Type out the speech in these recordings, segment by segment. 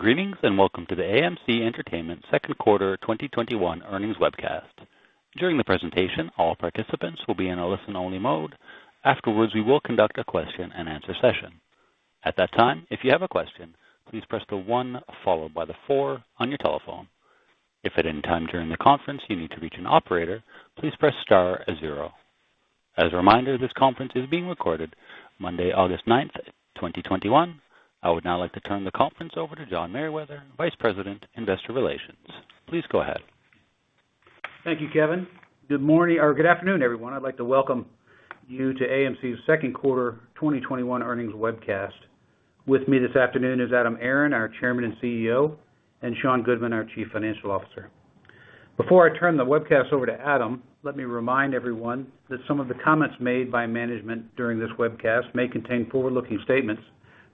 Greetings, and welcome to the AMC Entertainment second-quarter 2021 earnings webcast. During presentation, all participants will be in listen-only mode then we will conduct a question-and-answer session. At that time if you wish to ask a question press one followed by four on you keypad. If you need assistance from the operator, press star then zero on your keypad. As a reminder, this conference is being recorded, Monday, August 9, 2021. I would now like to turn the conference over to John Merriwether, Vice President, Investor Relations. Please go ahead. Thank you, Kevin. Good morning or good afternoon everyone? I'd like to welcome you to AMC's second quarter 2021 earnings webcast. With me this afternoon is Adam Aron, our Chairman and Chief Executive Officer, and Sean Goodman, our Chief Financial Officer. Before I turn the webcast over to Adam, let me remind everyone that some of the comments made by management during this webcast may contain forward-looking statements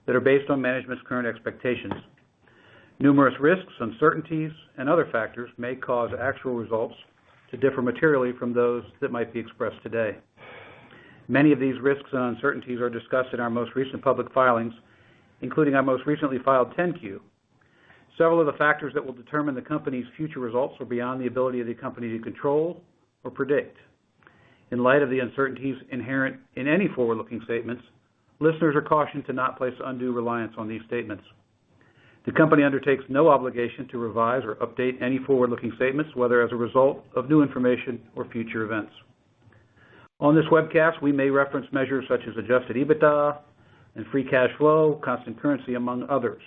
that are based on management's current expectations. Numerous risks, uncertainties, and other factors may cause actual results to differ materially from those that might be expressed today. Many of these risks and uncertainties are discussed in our most recent public filings, including our most recently filed 10-Q. Several of the factors that will determine the company's future results are beyond the ability of the company to control or predict. In light of the uncertainties inherent in any forward-looking statements, listeners are cautioned to not place undue reliance on these statements. The company undertakes no obligation to revise or update any forward-looking statements, whether as a result of new information or future events. On this webcast, we may reference measures such as adjusted EBITDA and free cash flow, constant currency, among others,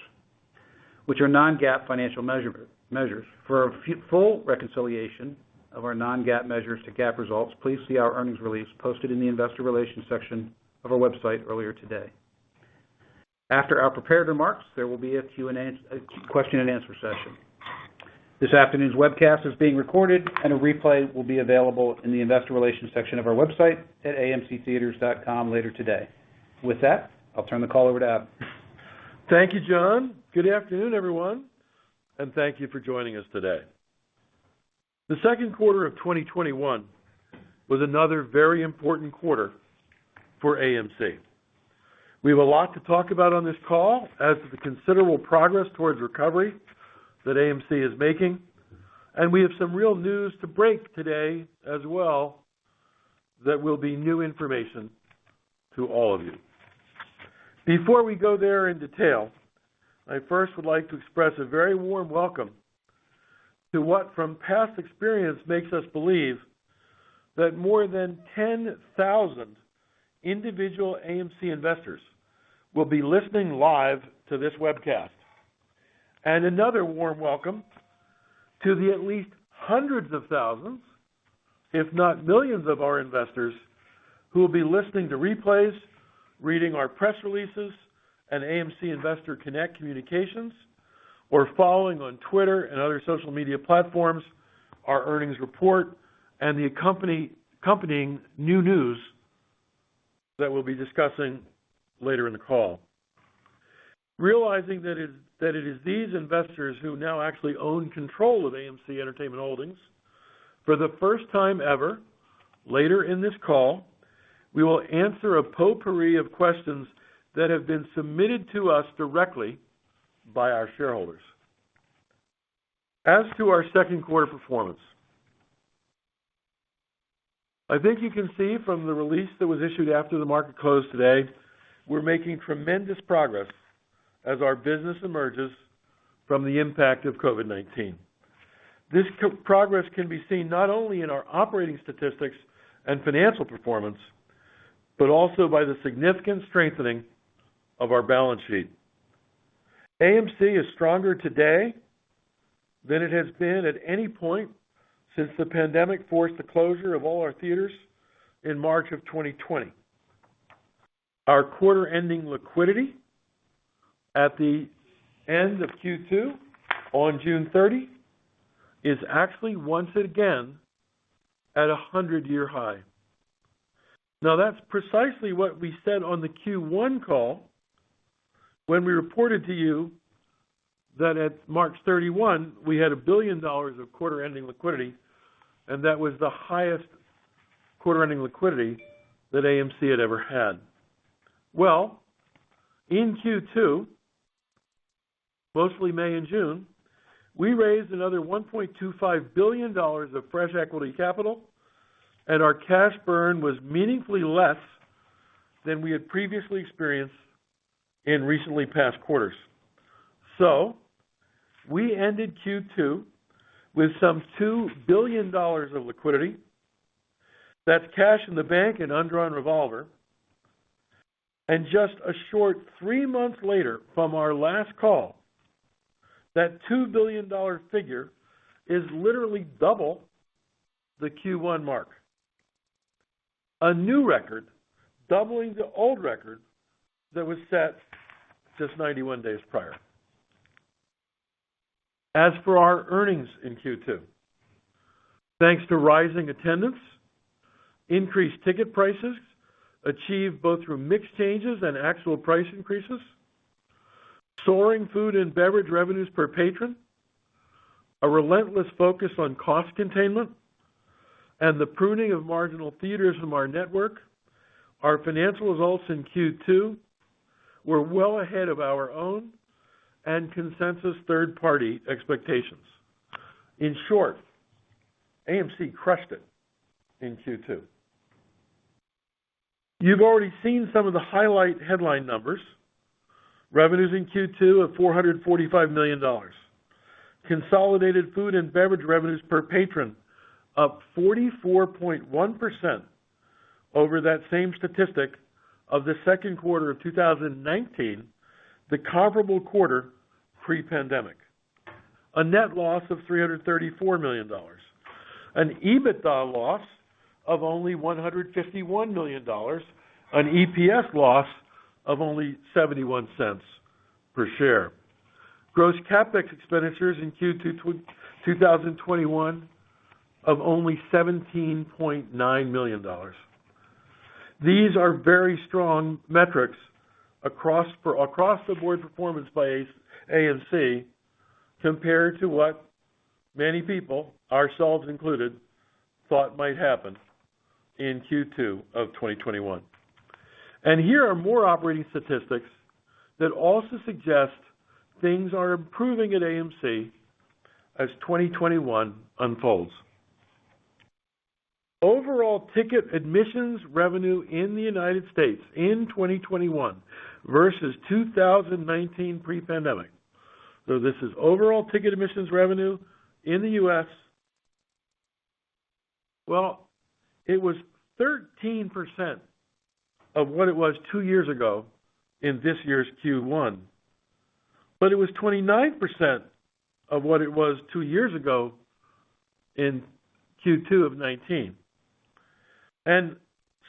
which are non-GAAP financial measures. For a full reconciliation of our non-GAAP measures to GAAP results, please see our earnings release posted in the investor relations section of our website earlier today. After our prepared remarks, there will be a question-and-answer session. This afternoon's webcast is being recorded, and a replay will be available in the Investor Relations section of our website at amctheatres.com later today. With that, I'll turn the call over to Adam. Thank you, John. Good afternoon everyone? Thank you for joining us today. The second quarter of 2021 was another very important quarter for AMC. We have a lot to talk about on this call as to the considerable progress towards recovery that AMC is making. We have some real news to break today as well that will be new information to all of you. Before we go there in detail, I first would like to express a very warm welcome to what from past experience makes us believe that more than 10,000 individual AMC Investors will be listening live to this webcast. Another warm welcome to the at least hundreds of thousands, if not millions of our Investors who will be listening to replays, reading our press releases and AMC Investor Connect Communications, or following on Twitter and other social media platforms our earnings report and the accompanying new news that we'll be discussing later in the call. Realizing that it is these investors who now actually own control of AMC Entertainment Holdings, for the first time ever, later in this call, we will answer a potpourri of questions that have been submitted to us directly by our shareholders. As to our second quarter performance, I think you can see from the release that was issued after the market closed today, we're making tremendous progress as our business emerges from the impact of COVID-19. This progress can be seen not only in our operating statistics and financial performance, but also by the significant strengthening of our balance sheet. AMC is stronger today than it has been at any point since the pandemic forced the closure of all our theaters in March 2020. Our quarter-ending liquidity at the end of Q2 on June 30 is actually once again at a 100-year high. That's precisely what we said on the Q1 call when we reported to you that at March 31, we had a billion of quarter-ending liquidity, and that was the highest quarter-ending liquidity that AMC had ever had. In Q2, mostly May and June, we raised another $1.25 billion of fresh equity capital, and our cash burn was meaningfully less than we had previously experienced in recently past quarters. We ended Q2 with some $2 billion of liquidity. That's cash in the bank and undrawn revolver. Just a short three months later from our last call, that $2 billion figure is literally double the Q1 mark. A new record doubling the old record that was set just 91 days prior. As for our earnings in Q2, thanks to rising attendance, increased ticket prices achieved both through mix changes and actual price increases, soaring food and beverage revenues per patron, a relentless focus on cost containment and the pruning of marginal theatres from our network, our financial results in Q2 were well ahead of our own and consensus third-party expectations. In short, AMC crushed it in Q2. You've already seen some of the highlight headline numbers. Revenues in Q2 of $445 million. Consolidated food and beverage revenues per patron up 44.1% over that same statistic of the second quarter of 2019, the comparable quarter pre-pandemic. A net loss of $334 million. An EBITDA loss of only $151 million. An EPS loss of only $0.71 per share. Gross CapEx expenditures in Q2 2021 of only $17.9 million. These are very strong metrics across the board performance by AMC compared to what many people, ourselves included, thought might happen in Q2 of 2021. Here are more operating statistics that also suggest things are improving at AMC as 2021 unfolds. Overall ticket admissions revenue in the United States in 2021 versus 2019 pre-pandemic. This is overall ticket admissions revenue in the U.S. It was 13% of what it was two years ago in this year's Q1, but it was 29% of what it was two years ago in Q2 of 2019.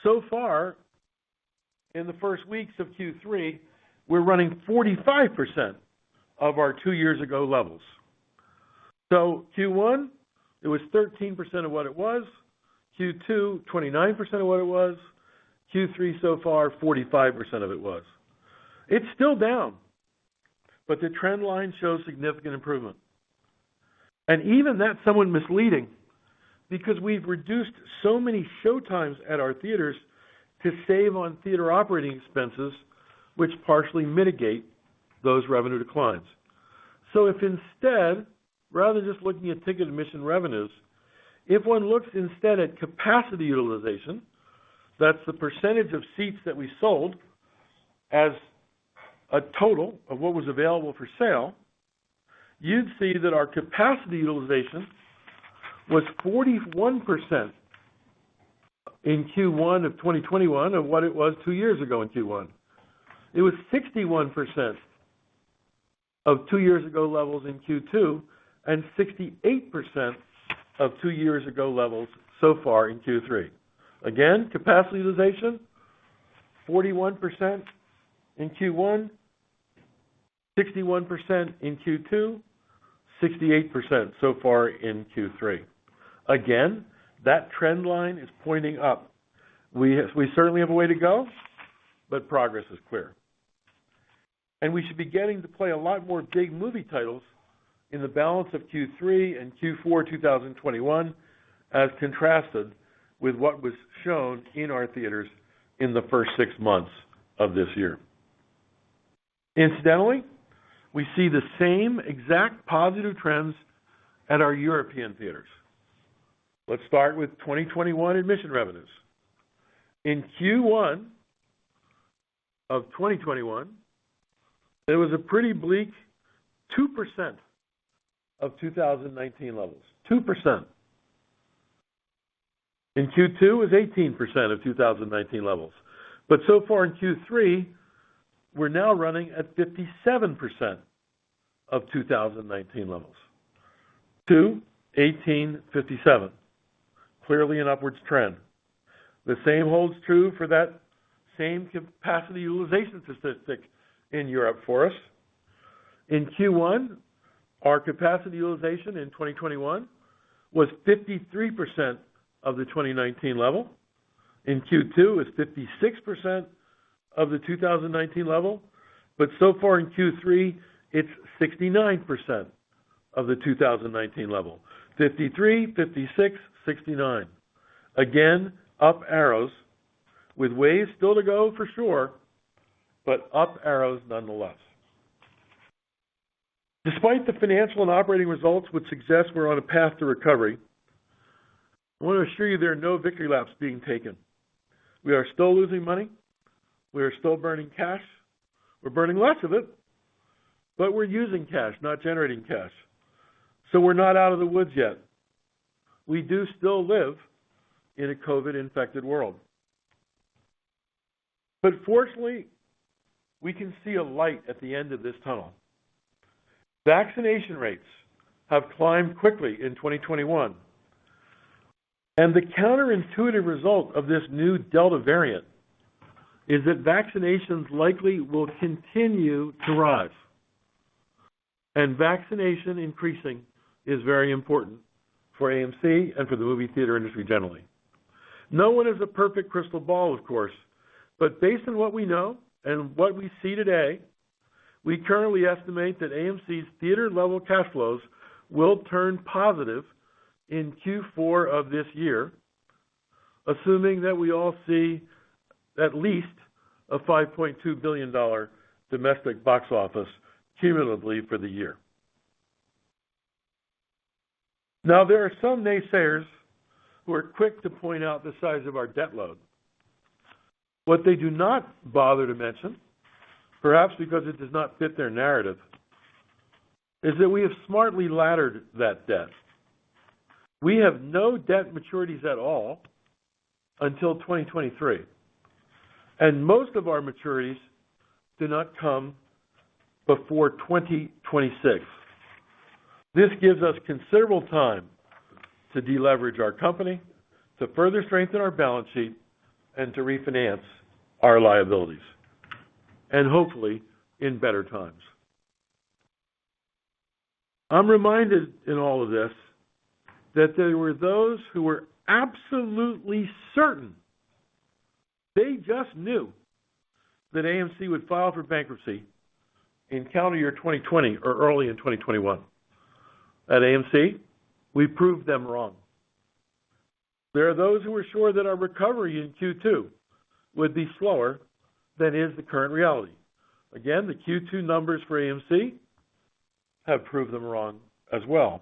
So far, in the first weeks of Q3, we're running 45% of our two years ago levels. Q1, it was 13% of what it was. Q2, 29% of what it was. Q3 so far, 45% of it was. It's still down, but the trend line shows significant improvement. Even that's somewhat misleading because we've reduced so many show times at our theaters to save on theater operating expenses, which partially mitigate those revenue declines. If instead, rather than just looking at ticket admission revenues, if one looks instead at capacity utilization, that's the percentage of seats that we sold as a total of what was available for sale, you'd see that our capacity utilization was 41% in Q1 of 2021 of what it was two years ago in Q1. It was 61% of two years ago levels in Q2, and 68% of two years ago levels so far in Q3. Again, capacity utilization, 41% in Q1, 61% in Q2, 68% so far in Q3. Again, that trend line is pointing up. We certainly have a way to go, but progress is clear. We should be getting to play a lot more big movie titles in the balance of Q3 and Q4 2021 as contrasted with what was shown in our theaters in the first six months of this year. Incidentally, we see the same exact positive trends at our European theaters. Let's start with 2021 admission revenues. In Q1 of 2021, it was a pretty bleak 2% of 2019 levels. 2%. In Q2, it was 18% of 2019 levels. So far in Q3, we're now running at 57% of 2019 levels. 2%, 18%, 57%. Clearly an upwards trend. The same holds true for that same capacity utilization statistic in Europe for us. In Q1, our capacity utilization in 2021 was 53% of the 2019 level. In Q2, it's 56% of the 2019 level. So far in Q3, it's 69% of the 2019 level. 53%, 56%, 69%. Again, up arrows with ways still to go for sure, up arrows nonetheless. Despite the financial and operating results which suggest we're on a path to recovery, I want to assure you there are no victory laps being taken. We are still losing money. We are still burning cash. We're burning less of it, we're using cash, not generating cash. We're not out of the woods yet. We do still live in a COVID-infected world. Fortunately, we can see a light at the end of this tunnel. Vaccination rates have climbed quickly in 2021, the counterintuitive result of this new Delta variant is that vaccinations likely will continue to rise. Vaccination increasing is very important for AMC and for the movie theater industry generally. No one has a perfect crystal ball, of course. Based on what we know and what we see today, we currently estimate that AMC's theater-level cash flows will turn positive in Q4 of this year, assuming that we all see at least a $5.2 billion domestic box office cumulatively for the year. There are some naysayers who are quick to point out the size of our debt load. What they do not bother to mention, perhaps because it does not fit their narrative, is that we have smartly laddered that debt. We have no debt maturities at all until 2023, and most of our maturities do not come before 2026. This gives us considerable time to deleverage our company, to further strengthen our balance sheet, and to refinance our liabilities, and hopefully in better times. I'm reminded in all of this that there were those who were absolutely certain, they just knew that AMC would file for bankruptcy in calendar year 2020 or early in 2021. At AMC, we proved them wrong. There are those who are sure that our recovery in Q2 would be slower than is the current reality. Again, the Q2 numbers for AMC have proved them wrong as well.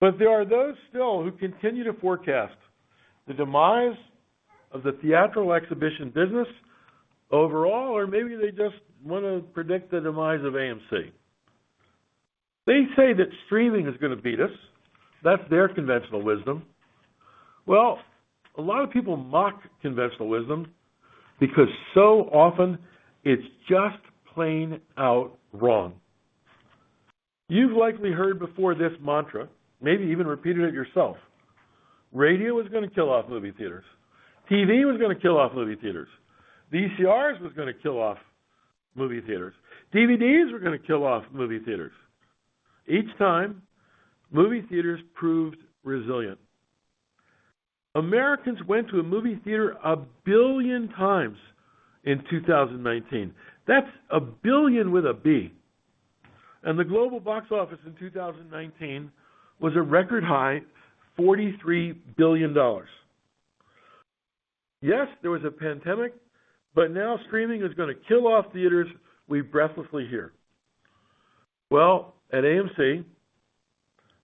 There are those still who continue to forecast the demise of the theatrical exhibition business overall, or maybe they just want to predict the demise of AMC. They say that streaming is going to beat us. That's their conventional wisdom. Well, a lot of people mock conventional wisdom because so often it's just plain out wrong. You've likely heard before this mantra, maybe even repeated it yourself. Radio was going to kill off movie theaters. TV was going to kill off movie theaters. VCRs was going to kill off movie theaters. DVDs were going to kill off movie theaters. Each time, movie theaters proved resilient. Americans went to a movie theater a billion times in 2019. That's a billion with a B. The global box office in 2019 was a record high $43 billion. Yes, there was a pandemic, now streaming is going to kill off theaters, we breathlessly hear. Well, at AMC,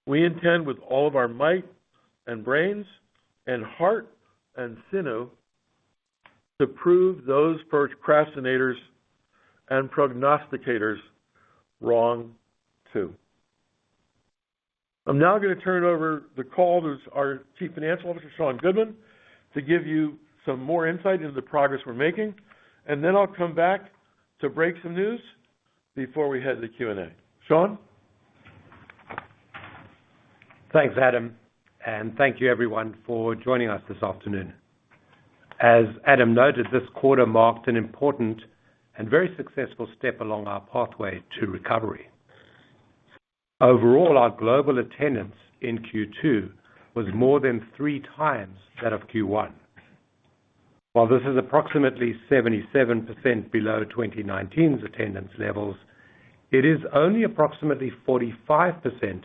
we intend with all of our might and brains and heart and sinew to prove those procastinators and prognosticators wrong, too. I'm now going to turn it over the call to our Chief Financial Officer, Sean Goodman, to give you some more insight into the progress we're making, and then I'll come back to break some news before we head to the Q&A. Sean? Thanks, Adam. Thank you everyone for joining us this afternoon. As Adam noted, this quarter marked an important and very successful step along our pathway to recovery. Overall, our global attendance in Q2 was more than 3x that of Q1. While this is approximately 77% below 2019's attendance levels, it is only approximately 45%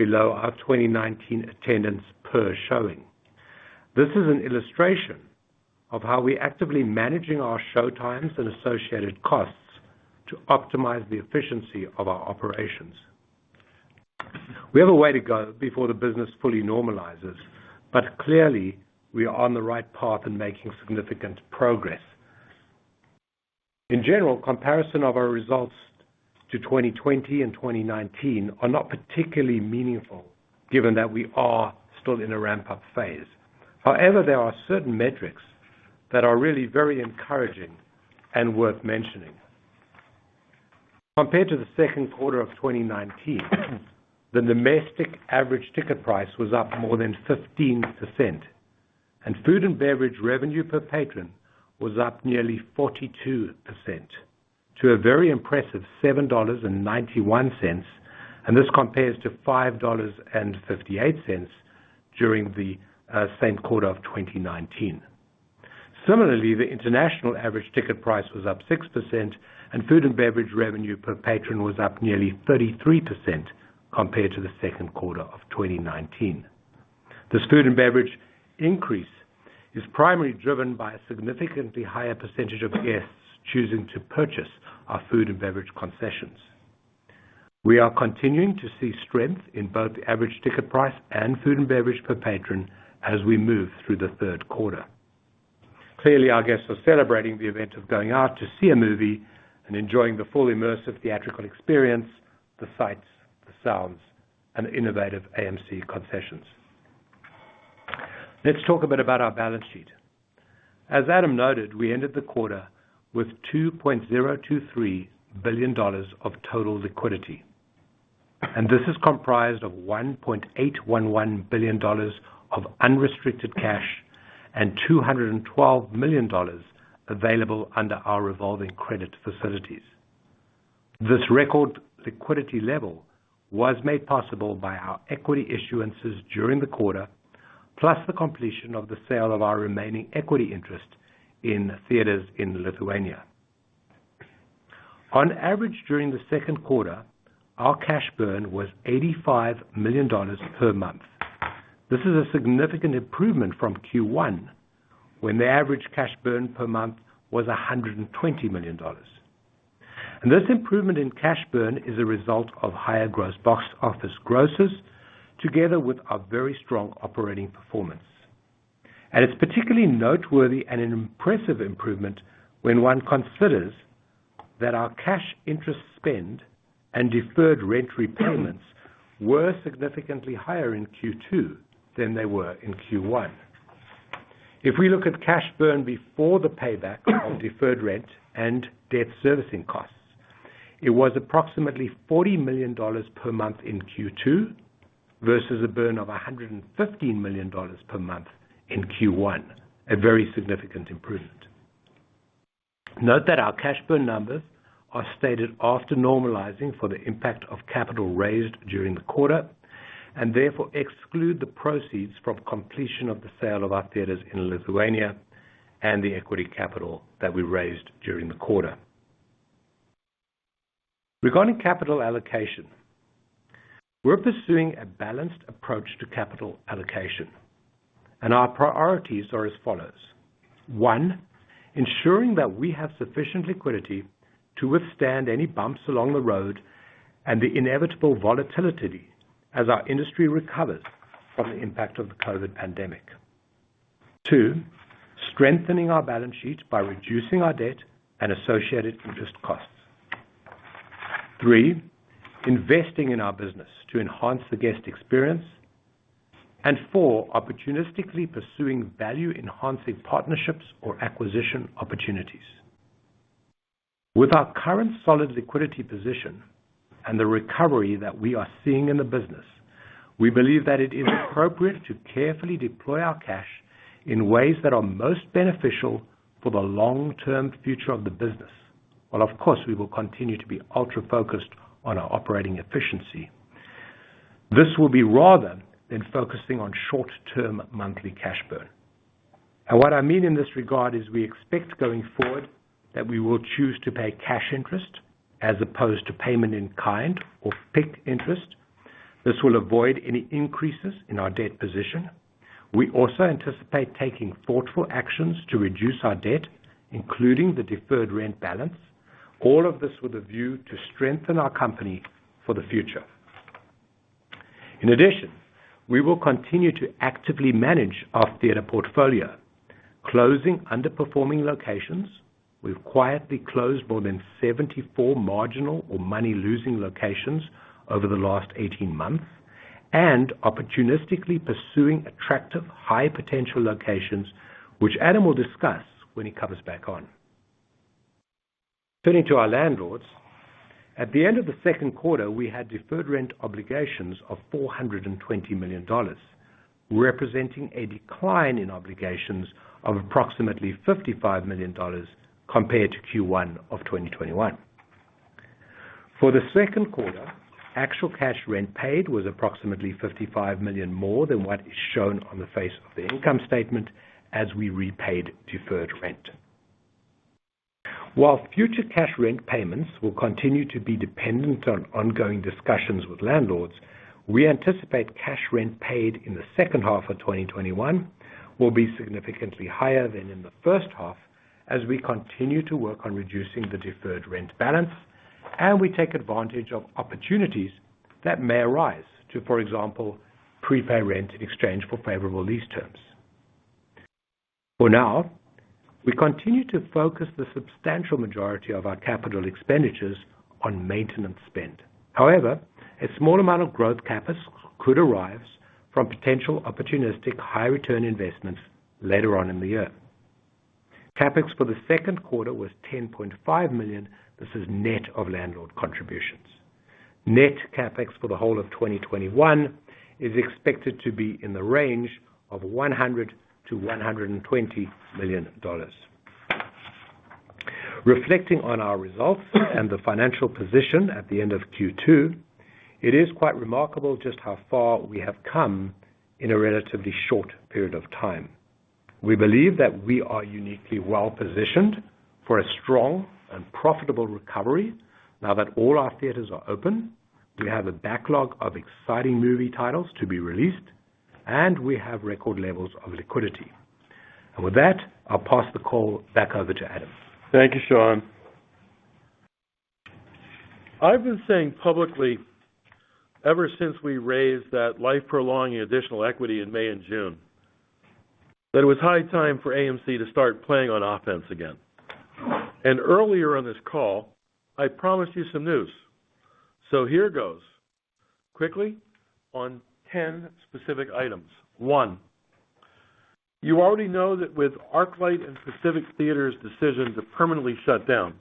below our 2019 attendance per showing. This is an illustration of how we're actively managing our show times and associated costs to optimize the efficiency of our operations. We have a way to go before the business fully normalizes. Clearly we are on the right path in making significant progress. In general, comparison of our results to 2020 and 2019 are not particularly meaningful given that we are still in a ramp-up phase. However, there are certain metrics that are really very encouraging and worth mentioning. Compared to the second quarter of 2019, the domestic average ticket price was up more than 15%, and food and beverage revenue per patron was up nearly 42% to a very impressive $7.91. This compares to $5.58 during the same quarter of 2019. Similarly, the international average ticket price was up 6%, and food and beverage revenue per patron was up nearly 33% compared to the second quarter of 2019. This food and beverage increase is primarily driven by a significantly higher percentage of guests choosing to purchase our food and beverage concessions. We are continuing to see strength in both the average ticket price and food and beverage per patron as we move through the third quarter. Clearly, our guests are celebrating the event of going out to see a movie and enjoying the full immersive theatrical experience, the sights, the sounds, and innovative AMC concessions. Let's talk a bit about our balance sheet. As Adam noted, we ended the quarter with $2.023 billion of total liquidity. This is comprised of $1.811 billion of unrestricted cash and $212 million available under our revolving credit facilities. This record liquidity level was made possible by our equity issuances during the quarter, plus the completion of the sale of our remaining equity interest in theaters in Lithuania. On average, during the second quarter, our cash burn was $85 million per month. This is a significant improvement from Q1, when the average cash burn per month was $120 million. This improvement in cash burn is a result of higher gross box office grosses together with our very strong operating performance. It's particularly noteworthy and an impressive improvement when one considers that our cash interest spend and deferred rent repayments were significantly higher in Q2 than they were in Q1. If we look at cash burn before the payback of deferred rent and debt servicing costs, it was approximately $40 million per month in Q2 versus a burn of $115 million per month in Q1. A very significant improvement. Note that our cash burn numbers are stated after normalizing for the impact of capital raised during the quarter, and therefore exclude the proceeds from completion of the sale of our theaters in Lithuania and the equity capital that we raised during the quarter. Regarding capital allocation, we're pursuing a balanced approach to capital allocation. Our priorities are as follows. One, ensuring that we have sufficient liquidity to withstand any bumps along the road and the inevitable volatility as our industry recovers from the impact of the COVID-19 pandemic. Two, strengthening our balance sheet by reducing our debt and associated interest costs. Three, investing in our business to enhance the guest experience. Four, opportunistically pursuing value-enhancing partnerships or acquisition opportunities. With our current solid liquidity position and the recovery that we are seeing in the business, we believe that it is appropriate to carefully deploy our cash in ways that are most beneficial for the long-term future of the business. While of course, we will continue to be ultra-focused on our operating efficiency. This will be rather than focusing on short-term monthly cash burn. What I mean in this regard is we expect going forward that we will choose to pay cash interest as opposed to Payment In Kind or PIK interest. This will avoid any increases in our debt position. We also anticipate taking thoughtful actions to reduce our debt, including the deferred rent balance, all of this with a view to strengthen our company for the future. In addition, we will continue to actively manage our theater portfolio, closing underperforming locations. We've quietly closed more than 74 marginal or money-losing locations over the last 18 months and opportunistically pursuing attractive high-potential locations, which Adam will discuss when he comes back on. Turning to our landlords. At the end of the second quarter, we had deferred rent obligations of $420 million, representing a decline in obligations of approximately $55 million compared to Q1 of 2021. For the second quarter, actual cash rent paid was approximately $55 million more than what is shown on the face of the income statement as we repaid deferred rent. While future cash rent payments will continue to be dependent on ongoing discussions with landlords, we anticipate cash rent paid in the second half of 2021 will be significantly higher than in the first half as we continue to work on reducing the deferred rent balance and we take advantage of opportunities that may arise to, for example, prepay rent in exchange for favorable lease terms. For now, we continue to focus the substantial majority of our capital expenditures on maintenance spend. However, a small amount of growth CapEx could arise from potential opportunistic high-return investments later on in the year. CapEx for the second quarter was $10.5 million. This is net of landlord contributions. Net CapEx for the whole of 2021 is expected to be in the range of $100 million-$120 million. Reflecting on our results and the financial position at the end of Q2, it is quite remarkable just how far we have come in a relatively short period of time. We believe that we are uniquely well-positioned for a strong and profitable recovery now that all our theaters are open, we have a backlog of exciting movie titles to be released, and we have record levels of liquidity. With that, I'll pass the call back over to Adam. Thank you, Sean. I've been saying publicly, ever since we raised that life-prolonging additional equity in May and June, that it was high time for AMC to start playing on offense again. Earlier on this call, I promised you some news. Here goes. Quickly on 10 specific items. One, you already know that with ArcLight and Pacific Theatres' decision to permanently shut down,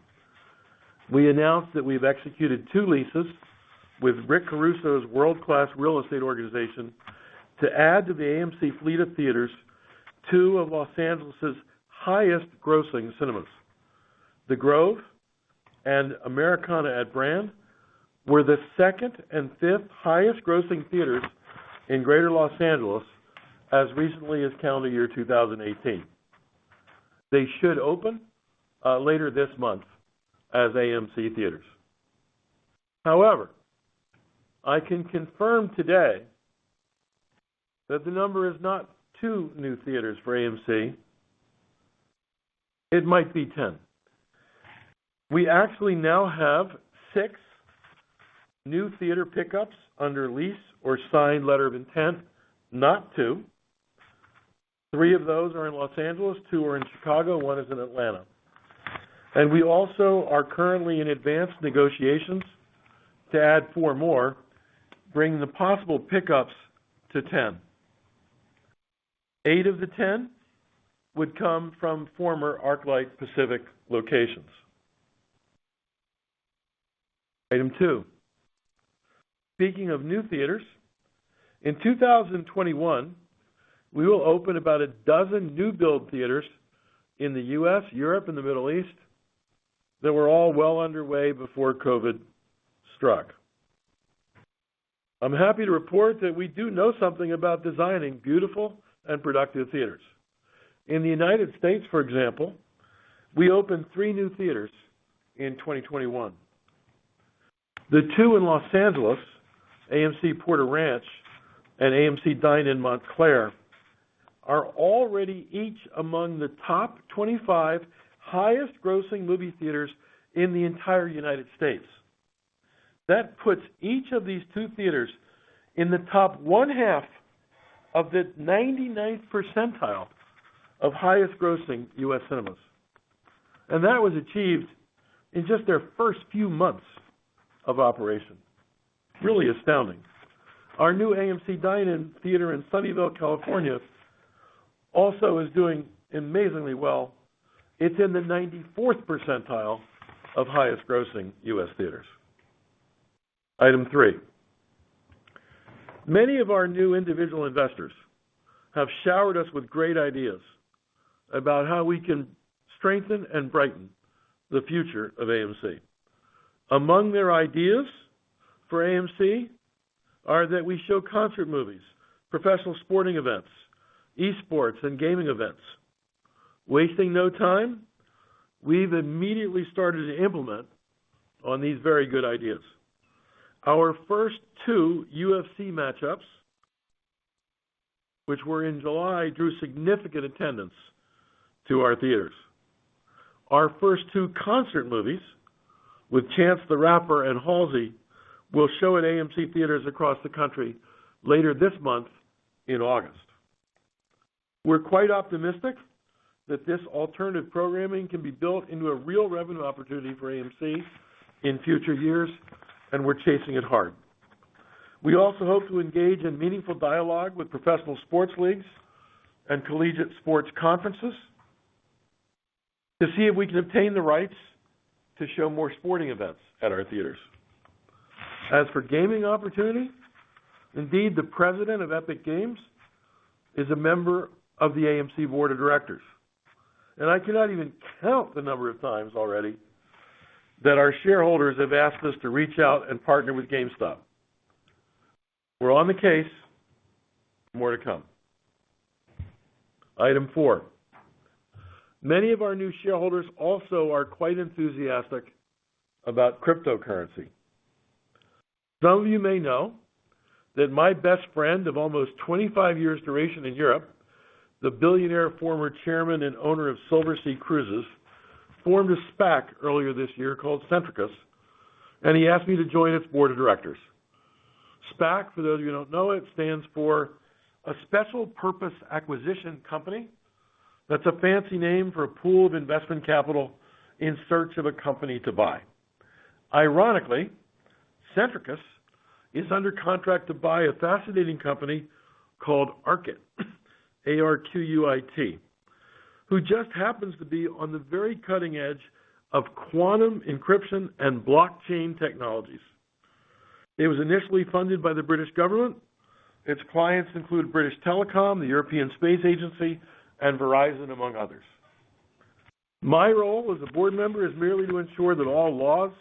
we announced that we've executed two leases with Rick Caruso's world-class real estate organization to add to the AMC fleet of theaters. Two of L.A.'s highest grossing cinemas. The Grove and Americana at Brand were the second and fifth highest grossing theaters in Greater L.A. as recently as calendar year 2018. They should open later this month as AMC Theatres. However, I can confirm today that the number is not two new theaters for AMC. It might be 10. We actually now have six new theater pickups under lease or signed letter of intent, not two. Three of those are in L.A., two are in Chicago, one is in Atlanta. We also are currently in advanced negotiations to add four more, bringing the possible pickups to 10. Eight of the 10 would come from former ArcLight Pacific locations. Item two. Speaking of new theaters, in 2021, we will open about a dozen new build theaters in the U.S., Europe, and the Middle East that were all well underway before COVID-19 struck. I'm happy to report that we do know something about designing beautiful and productive theaters. In the U.S., for example, we opened three new theaters in 2021. The two in Los Angeles, AMC Porter Ranch and AMC Dine-In Montclair, are already each among the top 25 highest grossing movie theaters in the entire United States. That puts each of these two theaters in the top one-half of the 99th percentile of highest grossing U.S. cinemas. That was achieved in just their first few months of operation. Really astounding. Our new AMC Dine-In theater in Sunnyvale, California, also is doing amazingly well. It's in the 94th percentile of highest grossing U.S. theaters. Item three. Many of our new individual investors have showered us with great ideas about how we can strengthen and brighten the future of AMC. Among their ideas for AMC are that we show concert movies, professional sporting events, e-sports and gaming events. Wasting no time, we've immediately started to implement on these very good ideas. Our first two UFC matchups, which were in July, drew significant attendance to our theaters. Our first two concert movies with Chance the Rapper and Halsey will show at AMC Theatres across the country later this month in August. We're quite optimistic that this alternative programming can be built into a real revenue opportunity for AMC in future years, and we're chasing it hard. We also hope to engage in meaningful dialogue with professional sports leagues and collegiate sports conferences to see if we can obtain the rights to show more sporting events at our theaters. As for gaming opportunity, indeed, the president of Epic Games is a member of the AMC board of directors. I cannot even count the number of times already that our shareholders have asked us to reach out and partner with GameStop. We're on the case. More to come. Item four. Many of our new shareholders also are quite enthusiastic about cryptocurrency. Some of you may know that my best friend of almost 25 years duration in Europe, the Billionaire Former Chairman and Owner of Silversea Cruises, formed a SPAC earlier this year called Centricus, and he asked me to join its Board of Directors. SPAC, for those of you who don't know, it stands for a Special Purpose Acquisition Company. That's a fancy name for a pool of investment capital in search of a company to buy. Ironically, Centricus is under contract to buy a fascinating company called Arquit, A-R-Q-U-I-T, who just happens to be on the very cutting edge of quantum encryption and blockchain technologies. It was initially funded by the British government. Its clients include British Telecom, the European Space Agency, and Verizon, among others. My role as a board member is merely to ensure that all laws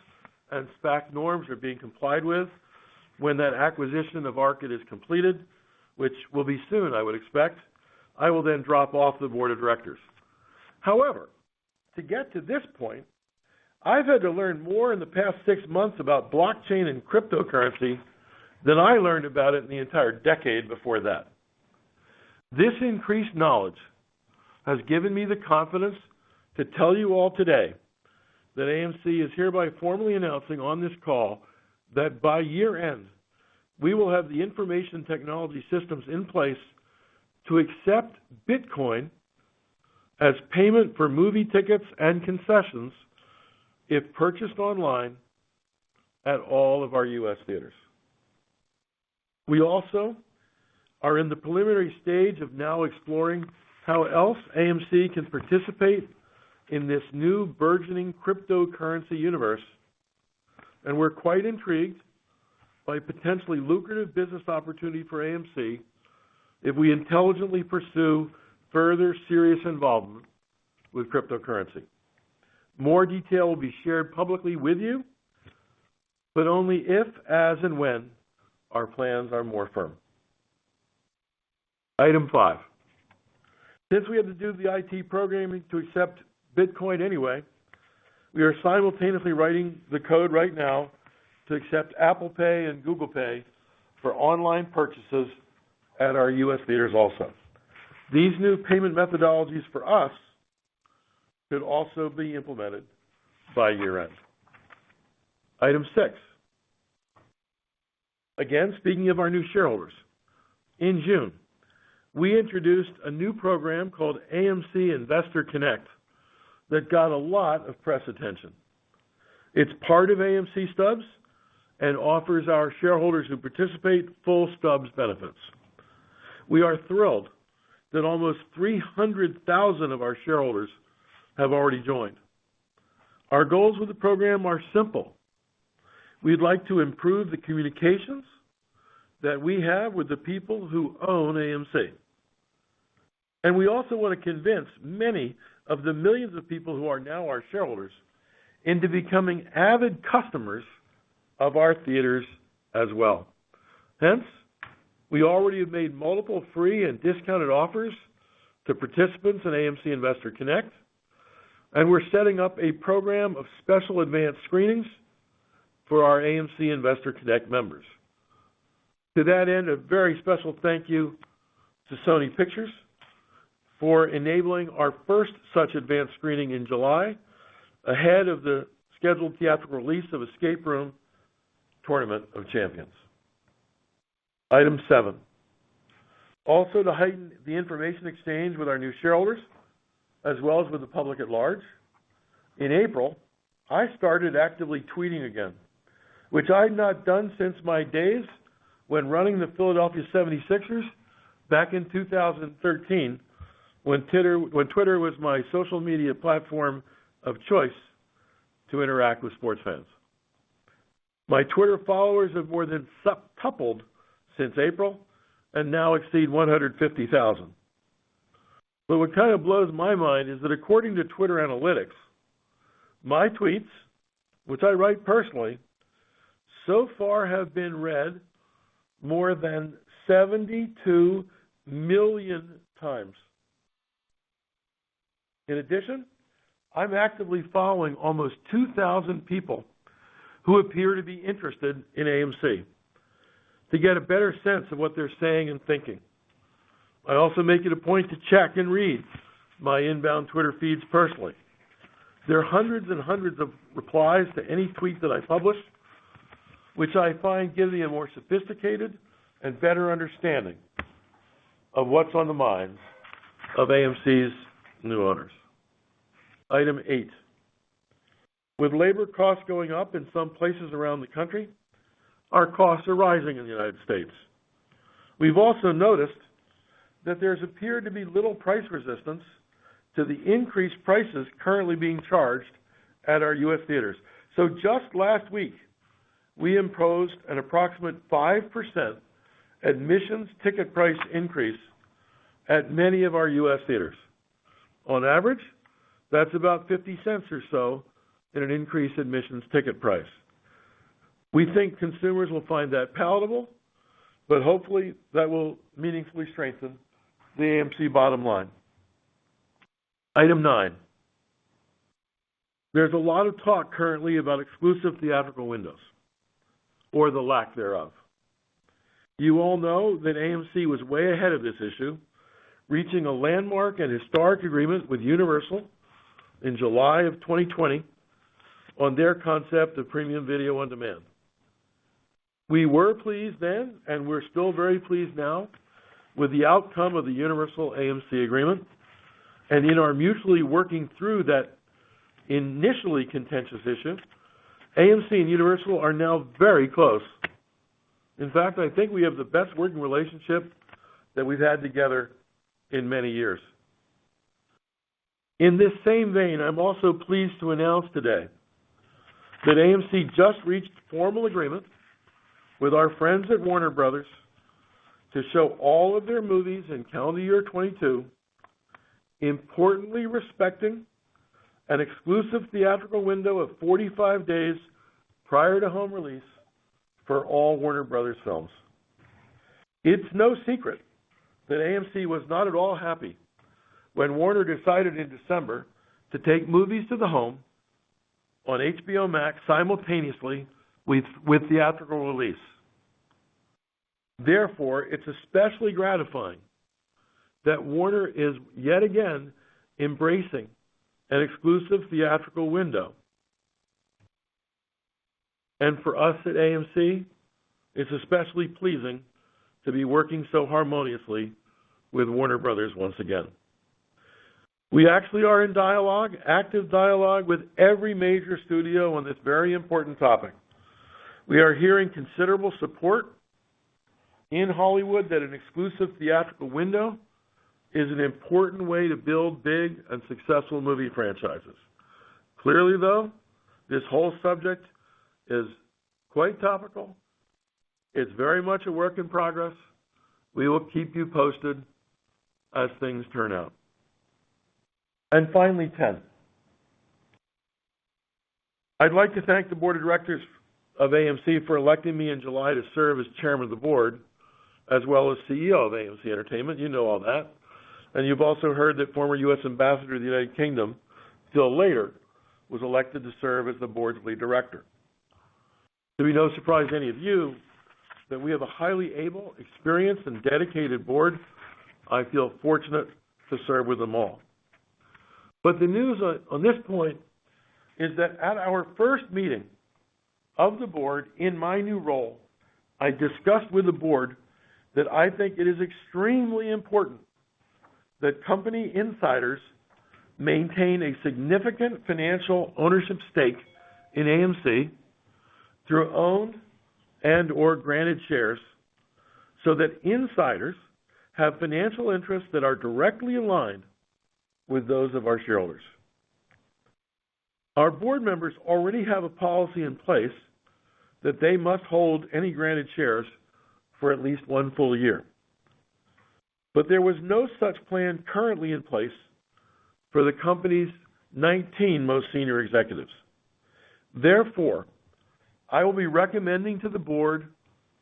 and SPAC norms are being complied with. When that acquisition of Arquit is completed, which will be soon, I would expect, I will then drop off the Board of Directors. However, to get to this point, I've had to learn more in the past six months about blockchain and cryptocurrency than I learned about it in the entire decade before that. This increased knowledge has given me the confidence to tell you all today that AMC is hereby formally announcing on this call that by year-end, we will have the information technology systems in place to accept Bitcoin as payment for movie tickets and concessions if purchased online at all of our U.S. theaters. We also are in the preliminary stage of now exploring how else AMC can participate in this new burgeoning cryptocurrency universe. We're quite intrigued by a potentially lucrative business opportunity for AMC if we intelligently pursue further serious involvement with cryptocurrency. More detail will be shared publicly with you, but only if, as, and when our plans are more firm. Item five, since we had to do the IT programming to accept Bitcoin anyway, we are simultaneously writing the code right now to accept Apple Pay and Google Pay for online purchases at our U.S. theaters also. These new payment methodologies for us could also be implemented by year-end. Item six, again, speaking of our new shareholders. In June, we introduced a new program called AMC Investor Connect that got a lot of press attention. It is part of AMC Stubs and offers our shareholders who participate full Stubs benefits. We are thrilled that almost 300,000 of our shareholders have already joined. Our goals with the program are simple. We'd like to improve the communications that we have with the people who own AMC, and we also want to convince many of the millions of people who are now our shareholders into becoming avid customers of our theaters as well. Hence, we already have made multiple free and discounted offers to participants in AMC Investor Connect, and we're setting up a program of special advanced screenings for our AMC Investor Connect members. To that end, a very special thank you to Sony Pictures for enabling our first such advanced screening in July ahead of the scheduled theatrical release of Escape Room: Tournament of Champions. Item seven, also to heighten the information exchange with our new shareholders as well as with the public at large, in April, I started actively tweeting again, which I'd not done since my days when running the Philadelphia 76ers back in 2013 when Twitter was my social media platform of choice to interact with sports fans. My Twitter followers have more than doubled since April and now exceed 150,000. What kind of blows my mind is that according to Twitter Analytics, my tweets, which I write personally, so far have been read more than 72 million times. In addition, I'm actively following almost 2,000 people who appear to be interested in AMC to get a better sense of what they're saying and thinking. I also make it a point to check and read my inbound Twitter feeds personally. There are hundreds and hundreds of replies to any tweet that I publish, which I find gives me a more sophisticated and better understanding of what's on the minds of AMC's new owners. Item eight, with labor costs going up in some places around the country, our costs are rising in the United States. We've also noticed that there's appeared to be little price resistance to the increased prices currently being charged at our U.S. theaters. Just last week, we imposed an approximate 5% admissions ticket price increase at many of our U.S. theaters. On average, that's about $0.50 or so in an increased admissions ticket price. We think consumers will find that palatable, but hopefully that will meaningfully strengthen the AMC bottom line. Item nine, there's a lot of talk currently about exclusive theatrical windows or the lack thereof. You all know that AMC was way ahead of this issue, reaching a landmark and historic agreement with Universal in July of 2020 on their concept of premium video on demand. We were pleased then, and we're still very pleased now with the outcome of the Universal AMC agreement, and in our mutually working through that initially contentious issue, AMC and Universal are now very close. In fact, I think we have the best working relationship that we've had together in many years. In this same vein, I'm also pleased to announce today that AMC just reached a formal agreement with our friends at Warner Bros. to show all of their movies in calendar year 2022, importantly respecting an exclusive theatrical window of 45 days prior to home release for all Warner Bros. films. It's no secret that AMC was not at all happy when Warner decided in December to take movies to the home on HBO Max simultaneously with theatrical release. Therefore, it's especially gratifying that Warner is yet again embracing an exclusive theatrical window. For us at AMC, it's especially pleasing to be working so harmoniously with Warner Bros. once again. We actually are in dialogue, active dialogue, with every major studio on this very important topic. We are hearing considerable support in Hollywood that an exclusive theatrical window is an important way to build big and successful movie franchises. Clearly, though, this whole subject is quite topical. It's very much a work in progress. We will keep you posted as things turn out. Finally, 10. I'd like to thank the Board of Directors of AMC for electing me in July to serve as Chairman of the Board, as well as Chief Executive Officer of AMC Entertainment. You know all that. You've also heard that Former U.S. Ambassador to the United Kingdom, Phil Lader, was elected to serve as the Board's Lead Director. It will be no surprise to any of you that we have a highly able, experienced, and dedicated Board. I feel fortunate to serve with them all. The news on this point is that at our first meeting of the Board in my new role, I discussed with the Board that I think it is extremely important that company insiders maintain a significant financial ownership stake in AMC through owned and/or granted shares so that insiders have financial interests that are directly aligned with those of our shareholders. Our board members already have a policy in place that they must hold any granted shares for at least one full year. There was no such plan currently in place for the company's 19 most Senior Executives. Therefore, I will be recommending to the board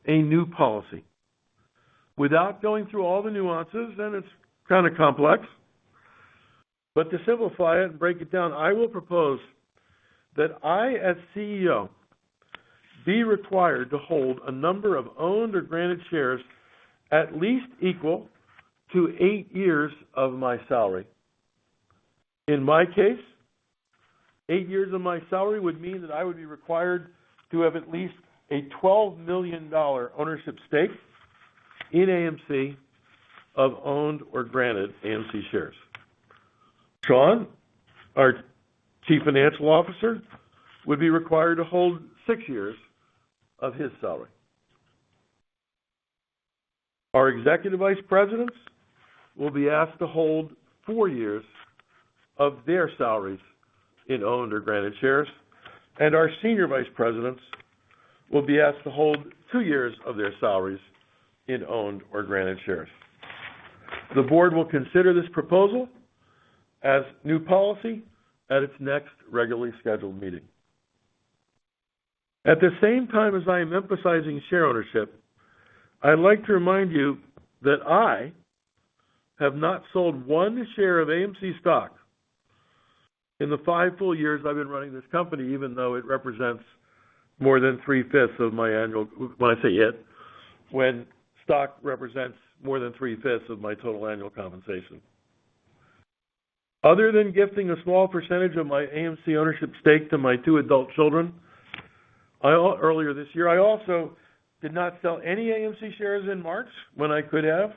a new policy. Without going through all the nuances, and it's kind of complex, but to simplify it and break it down, I will propose that I, as Chief Executive Officer, be required to hold a number of owned or granted shares at least equal to eight years of my salary. In my case, eight years of my salary would mean that I would be required to have at least a $12 million ownership stake in AMC of owned or granted AMC shares. Sean, our Chief Financial Officer, would be required to hold six years of his salary. Our Executive Vice Presidents will be asked to hold four years of their salaries in owned or granted shares, and our Senior Vice Presidents will be asked to hold two years of their salaries in owned or granted shares. The Board will consider this proposal as new policy at its next regularly scheduled meeting. At the same time as I am emphasizing share ownership, I'd like to remind you that I have not sold one share of AMC stock in the five full years I've been running this company, even though it represents more than 3/5, when I say yet, when stock represents more than 3/5 of my total annual compensation. Other than gifting a small percentage of my AMC ownership stake to my two adult children earlier this year, I also did not sell any AMC shares in March when I could have.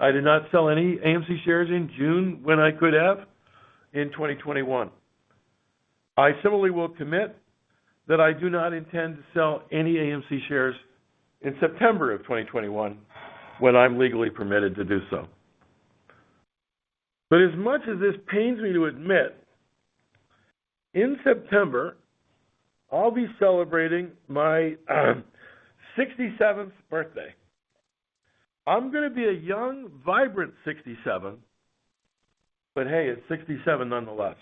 I did not sell any AMC shares in June when I could have in 2021. I similarly will commit that I do not intend to sell any AMC shares in September of 2021 when I'm legally permitted to do so. As much as this pains me to admit, in September, I'll be celebrating my 67th birthday. I'm going to be a young, vibrant 67, but hey, it's 67 nonetheless.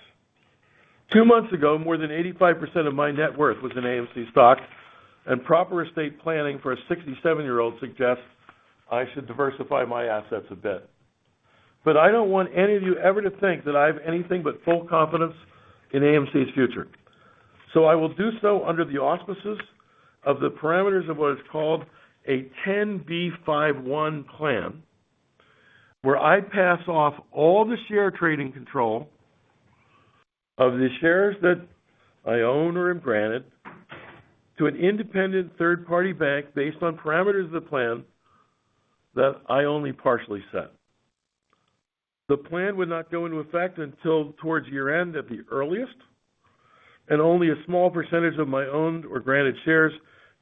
Two months ago, more than 85% of my net worth was in AMC stock, and proper estate planning for a 67-year-old suggests I should diversify my assets a bit. I don't want any of you ever to think that I have anything but full confidence in AMC's future. I will do so under the auspices of the parameters of what is called a 10b5-1 plan, where I pass off all the share trading control of the shares that I own or am granted to an independent third-party bank based on parameters of the plan that I only partially set. The plan would not go into effect until towards year-end at the earliest, and only a small percentage of my owned or granted shares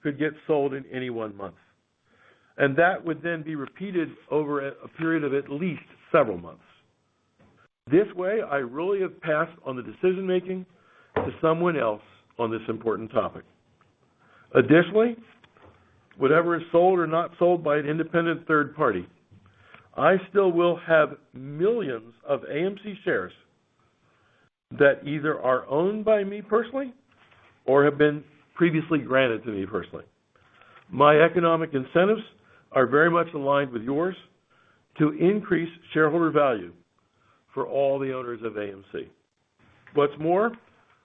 could get sold in any one month. That would then be repeated over a period of at least several months. This way, I really have passed on the decision-making to someone else on this important topic. Additionally, whatever is sold or not sold by an independent third party, I still will have millions of AMC shares that either are owned by me personally or have been previously granted to me personally. My economic incentives are very much aligned with yours to increase shareholder value for all the owners of AMC. What's more,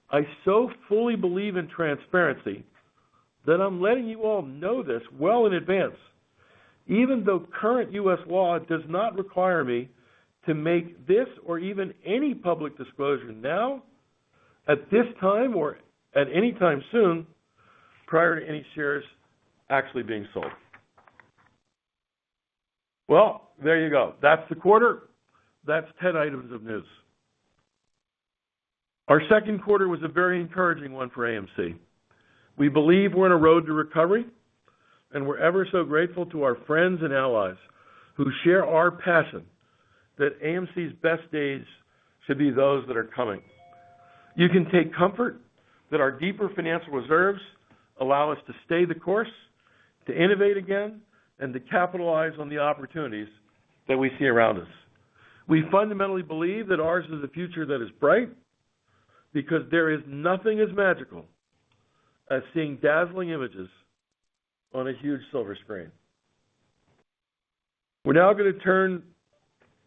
I so fully believe in transparency that I'm letting you all know this well in advance, even though current U.S. law does not require me to make this or even any public disclosure now, at this time, or at any time soon, prior to any shares actually being sold. Well, there you go. That's the quarter. That's 10 items of news. Our second quarter was a very encouraging one for AMC. We believe we're on a road to recovery, and we're ever so grateful to our friends and allies who share our passion that AMC's best days should be those that are coming. You can take comfort that our deeper financial reserves allow us to stay the course, to innovate again, and to capitalize on the opportunities that we see around us. We fundamentally believe that ours is a future that is bright because there is nothing as magical as seeing dazzling images on a huge silver screen. We're now going to turn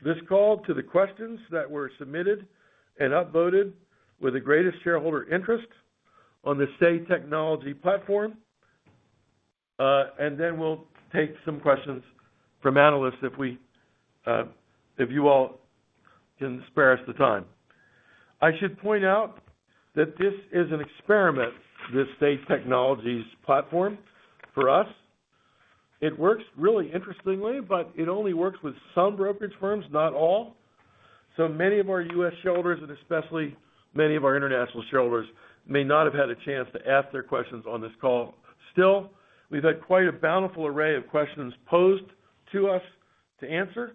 this call to the questions that were submitted and up-voted with the greatest shareholder interest on the Say Technologies platform. Then we'll take some questions from analysts if you all can spare us the time. I should point out that this is an experiment, this Say Technologies platform, for us. It works really interestingly, but it only works with some brokerage firms, not all. Many of our U.S. shareholders, and especially many of our international shareholders, may not have had a chance to ask their questions on this call. Still, we've had quite a bountiful array of questions posed to us to answer.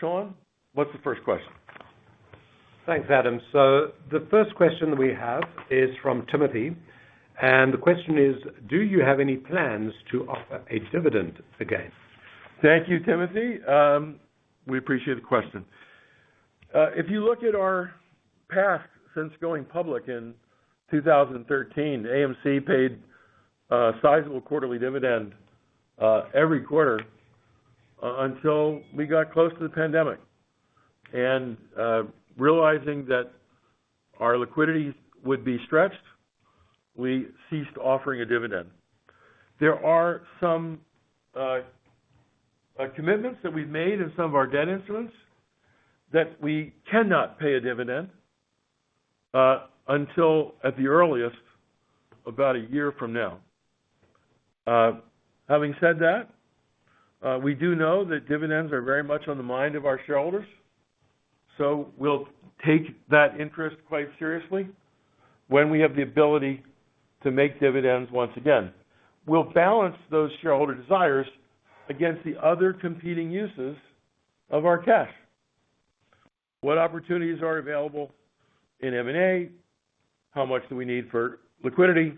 Sean, what's the first question? Thanks, Adam. The first question we have is from Timothy. The question is: Do you have any plans to offer a dividend again? Thank you, Timothy. We appreciate the question. If you look at our past since going public in 2013, AMC paid a sizable quarterly dividend every quarter until we got close to the pandemic. Realizing that our liquidity would be stretched, we ceased offering a dividend. There are some commitments that we've made in some of our debt instruments that we cannot pay a dividend until, at the earliest, about a year from now. Having said that, we do know that dividends are very much on the mind of our shareholders. We'll take that interest quite seriously when we have the ability to make dividends once again. We'll balance those shareholder desires against the other competing uses of our cash. What opportunities are available in M&A? How much do we need for liquidity?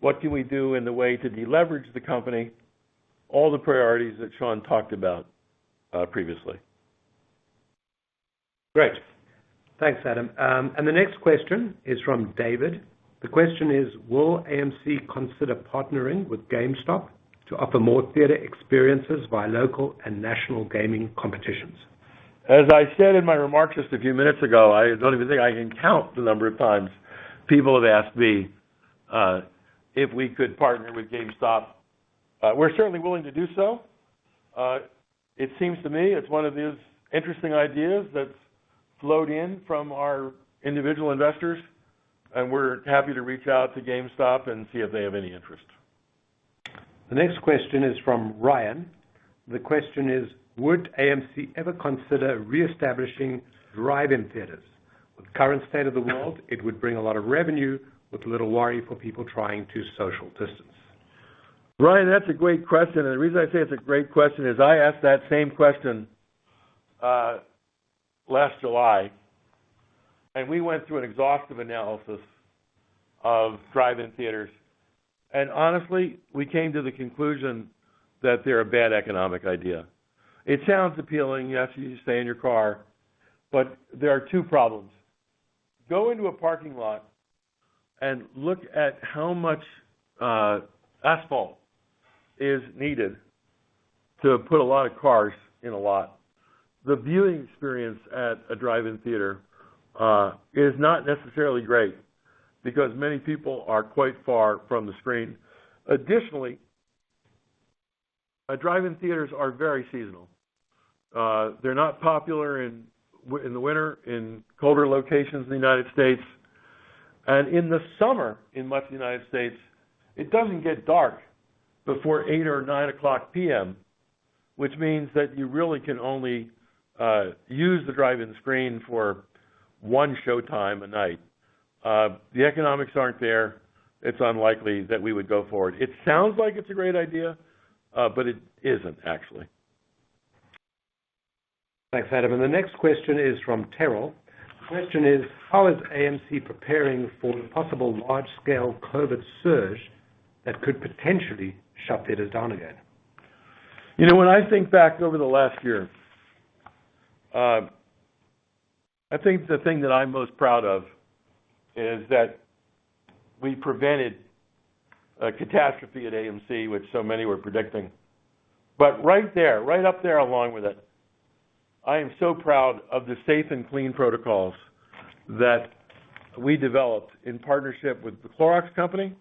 What can we do in the way to de-leverage the company? All the priorities that Sean talked about previously. Great. Thanks, Adam. The next question is from David. The question is: Will AMC consider partnering with GameStop to offer more theater experiences via local and national gaming competitions? As I said in my remarks just a few minutes ago, I don't even think I can count the number of times people have asked me if we could partner with GameStop. We're certainly willing to do so. It seems to me it's one of these interesting ideas that's flowed in from our individual investors, and we're happy to reach out to GameStop and see if they have any interest. The next question is from Ryan. The question is: Would AMC ever consider reestablishing drive-in theaters? With the current state of the world, it would bring a lot of revenue with little worry for people trying to social distance. Ryan, that's a great question. The reason I say it's a great question is I asked that same question last July. We went through an exhaustive analysis of drive-in theaters. Honestly, we came to the conclusion that they're a bad economic idea. It sounds appealing. Yes, you just stay in your car. There are two problems. Go into a parking lot and look at how much asphalt is needed to put a lot of cars in a lot. The viewing experience at a drive-in theater is not necessarily great because many people are quite far from the screen. Additionally, drive-in theaters are very seasonal. They're not popular in the winter in colder locations in the U.S. In the summer in much of the U.S., it doesn't get dark before 8:00PM or 9:00P.M., which means that you really can only use the drive-in screen for one showtime a night. The economics aren't there. It's unlikely that we would go forward. It sounds like it's a great idea, but it isn't actually. Thanks, Adam. The next question is from Terrell. The question is: How is AMC preparing for the possible large-scale COVID surge that could potentially shut theaters down again? When I think back over the last year, I think the thing that I'm most proud of is that we prevented a catastrophe at AMC, which so many were predicting. Right there, right up there along with it, I am so proud of the Safe & Clean protocols that we developed in partnership with The Clorox Company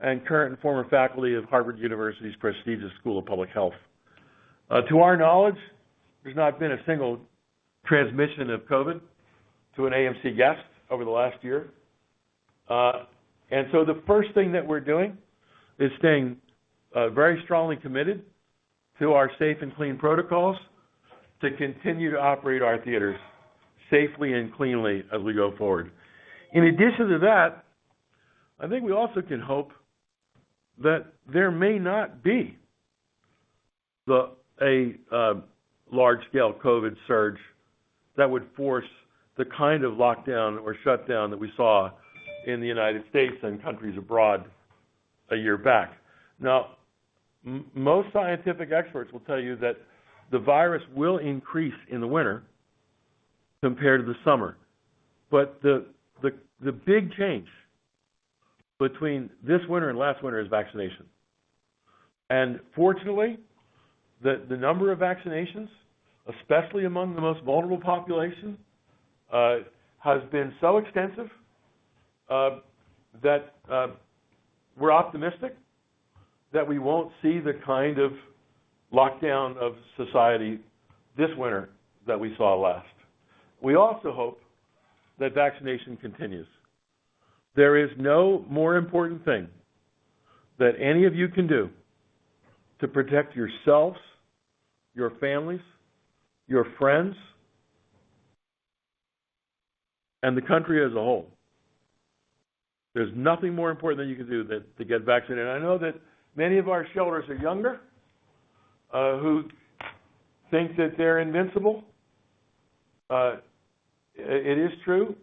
and current and former faculty of Harvard University's prestigious School of Public Health. To our knowledge, there's not been a single transmission of COVID to an AMC guest over the last year. The first thing that we're doing is staying very strongly committed to our Safe & Clean protocols to continue to operate our theaters safely and cleanly as we go forward. In addition to that, I think we also can hope that there may not be a large-scale COVID surge that would force the kind of lockdown or shutdown that we saw in the U.S. and countries abroad a year back. Most scientific experts will tell you that the virus will increase in the winter compared to the summer. The big change between this winter and last winter is vaccination. Fortunately, the number of vaccinations, especially among the most vulnerable population, has been so extensive that we're optimistic that we won't see the kind of lockdown of society this winter that we saw last. We also hope that vaccination continues. There is no more important thing that any of you can do to protect yourselves, your families, your friends, and the country as a whole. There's nothing more important that you can do than to get vaccinated. I know that many of our shareholders are younger, who think that they're invincible. It is true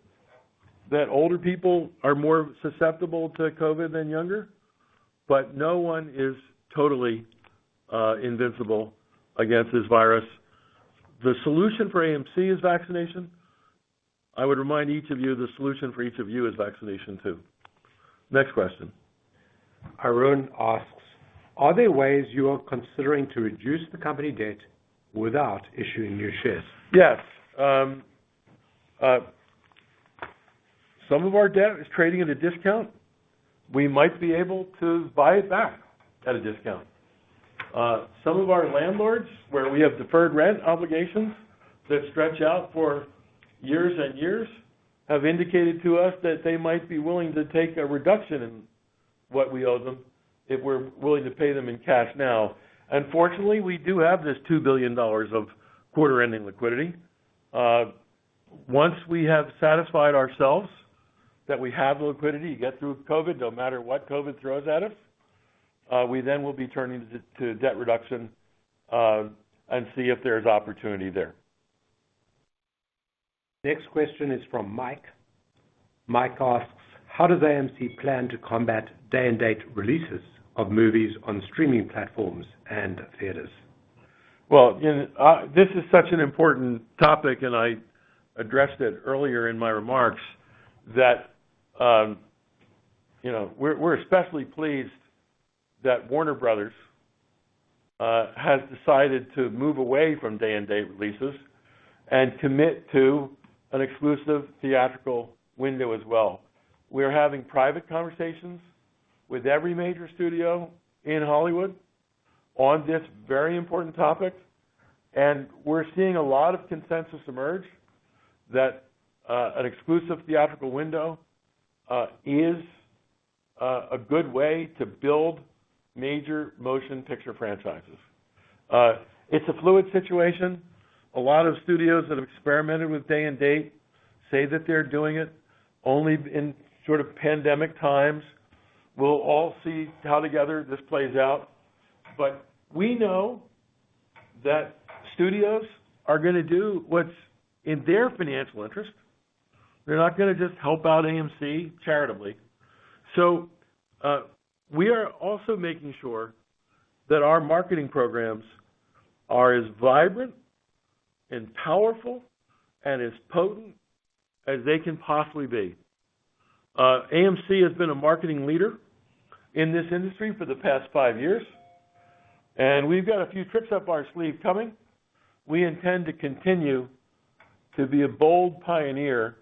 that older people are more susceptible to COVID than younger, but no one is totally invincible against this virus. The solution for AMC is vaccination. I would remind each of you, the solution for each of you is vaccination, too. Next question. Arun asks, are there ways you are considering to reduce the company debt without issuing new shares? Yes. Some of our debt is trading at a discount. We might be able to buy it back at a discount. Some of our landlords, where we have deferred rent obligations that stretch out for years and years, have indicated to us that they might be willing to take a reduction in what we owe them if we're willing to pay them in cash now. Fortunately, we do have this $2 billion of quarter-ending liquidity. Once we have satisfied ourselves that we have the liquidity to get through COVID, no matter what COVID throws at us, we then will be turning to debt reduction and see if there's opportunity there. Next question is from Mike. Mike asks, how does AMC plan to combat day-and-date releases of movies on streaming platforms and theaters? Well, this is such an important topic, and I addressed it earlier in my remarks that we're especially pleased that Warner Bros. has decided to move away from day-and-date releases and commit to an exclusive theatrical window as well. We're having private conversations with every major studio in Hollywood on this very important topic, and we're seeing a lot of consensus emerge that an exclusive theatrical window is a good way to build major motion picture franchises. It's a fluid situation. A lot of studios that have experimented with day-and-date say that they're doing it only in sort of pandemic times. We'll all see how together this plays out. We know that studios are going to do what's in their financial interest. They're not going to just help out AMC charitably. We are also making sure that our marketing programs are as vibrant and powerful and as potent as they can possibly be. AMC has been a marketing leader in this industry for the past five years, and we've got a few tricks up our sleeve coming. We intend to continue to be a bold pioneer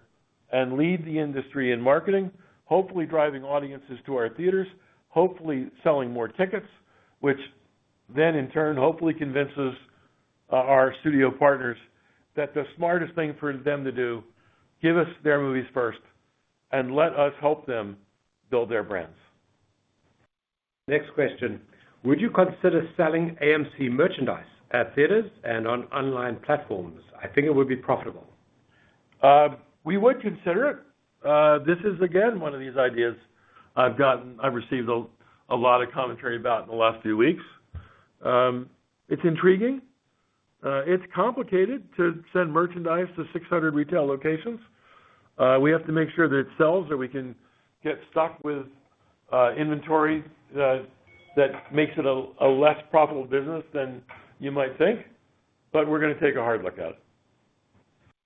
and lead the industry in marketing, hopefully driving audiences to our theaters, hopefully selling more tickets, which then, in turn, hopefully convinces our studio partners that the smartest thing for them to do, give us their movies first and let us help them build their brands. Next question: Would you consider selling AMC merchandise at theaters and on online platforms? I think it would be profitable. We would consider it. This is, again, one of these ideas I've received a lot of commentary about in the last few weeks. It's intriguing. It's complicated to send merchandise to 600 retail locations. We have to make sure that it sells or we can get stuck with inventory that makes it a less profitable business than you might think. We're going to take a hard look at it.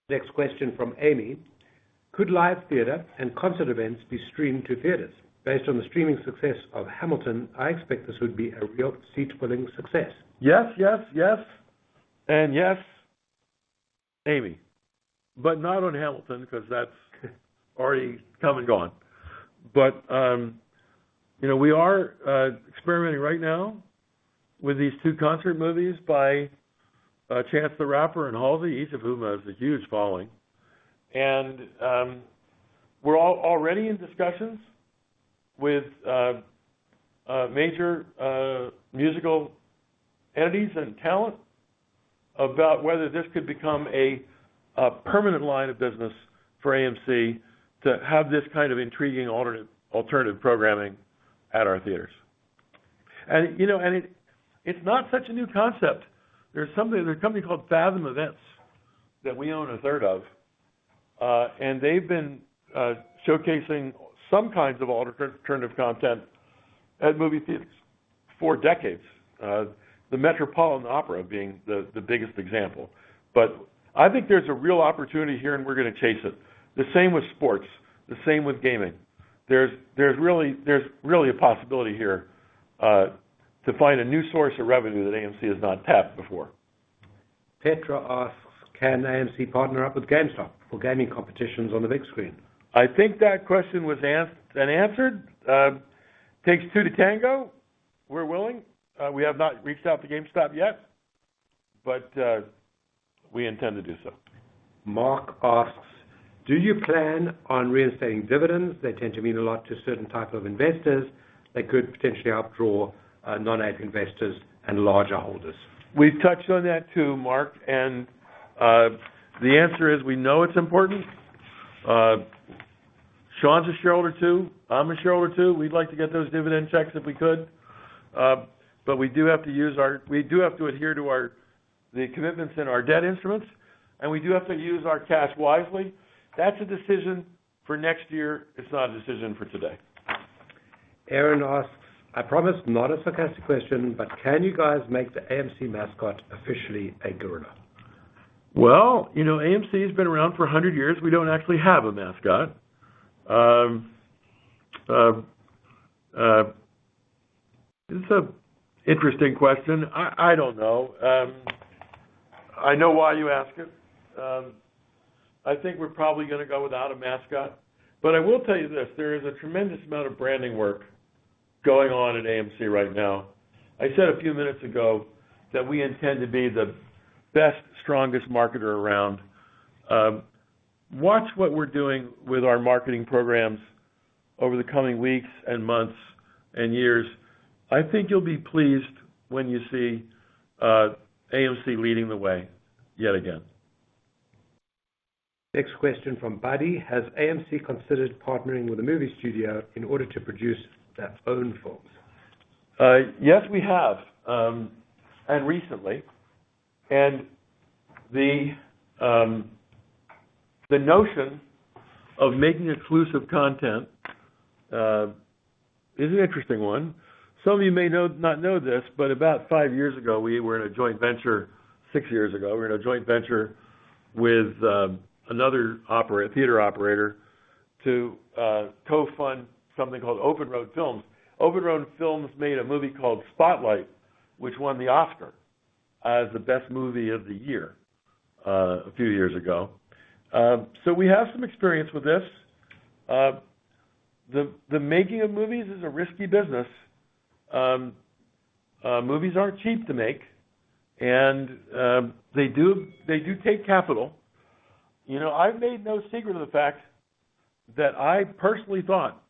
Next question from Amy. Could live theater and concert events be streamed to theaters? Based on the streaming success of Hamilton, I expect this would be a real seat-pulling success. Yes, yes, and yes, Amy. Not on Hamilton because that's already come and gone. We are experimenting right now with these two concert movies by Chance the Rapper and Halsey, each of whom has a huge following. We're already in discussions with major musical entities and talent about whether this could become a permanent line of business for AMC to have this kind of intriguing alternative programming at our theaters. It's not such a new concept. There's a company called Fathom Events that we own 1/3 of, and they've been showcasing some kinds of alternative content at movie theaters for decades. The Metropolitan Opera being the biggest example. I think there's a real opportunity here, and we're going to chase it. The same with sports, the same with gaming. There's really a possibility here to find a new source of revenue that AMC has not tapped before. Petra asks, can AMC partner up with GameStop for gaming competitions on the big screen? I think that question was aked and answered. Takes two to tango. We're willing. We have not reached out to GameStop yet, but we intend to do so. Mark asks, do you plan on reinstating dividends? They tend to mean a lot to certain type of investors that could potentially help draw non-Ape investors and larger holders. We've touched on that, too, Mark, the answer is we know it's important. Sean's a shareholder, too. I'm a shareholder, too. We'd like to get those dividend checks if we could. We do have to adhere to the commitments in our debt instruments, and we do have to use our cash wisely. That's a decision for next year. It's not a decision for today. Aaron asks, I promise not a sarcastic question, but can you guys make the AMC mascot officially a gorilla? Well, AMC has been around for 100 years. We don't actually have a mascot. It's an interesting question. I don't know. I know why you ask it. I think we're probably going to go without a mascot, but I will tell you this, there is a tremendous amount of branding work going on at AMC right now. I said a few minutes ago that we intend to be the best, strongest marketer around. Watch what we're doing with our marketing programs over the coming weeks and months and years. I think you'll be pleased when you see AMC leading the way yet again. Next question from Buddy: has AMC considered partnering with a movie studio in order to produce their own films? Yes, we have. Recently. The notion of making exclusive content is an interesting one. Some of you may not know this, but about five years ago, we were in a joint venture. Six years ago, we were in a joint venture with another theater operator to co-fund something called Open Road Films. Open Road Films made a movie called Spotlight, which won the Oscar as the best movie of the year a few years ago. We have some experience with this. The making of movies is a risky business. Movies aren't cheap to make, and they do take capital. I've made no secret of the fact that I personally thought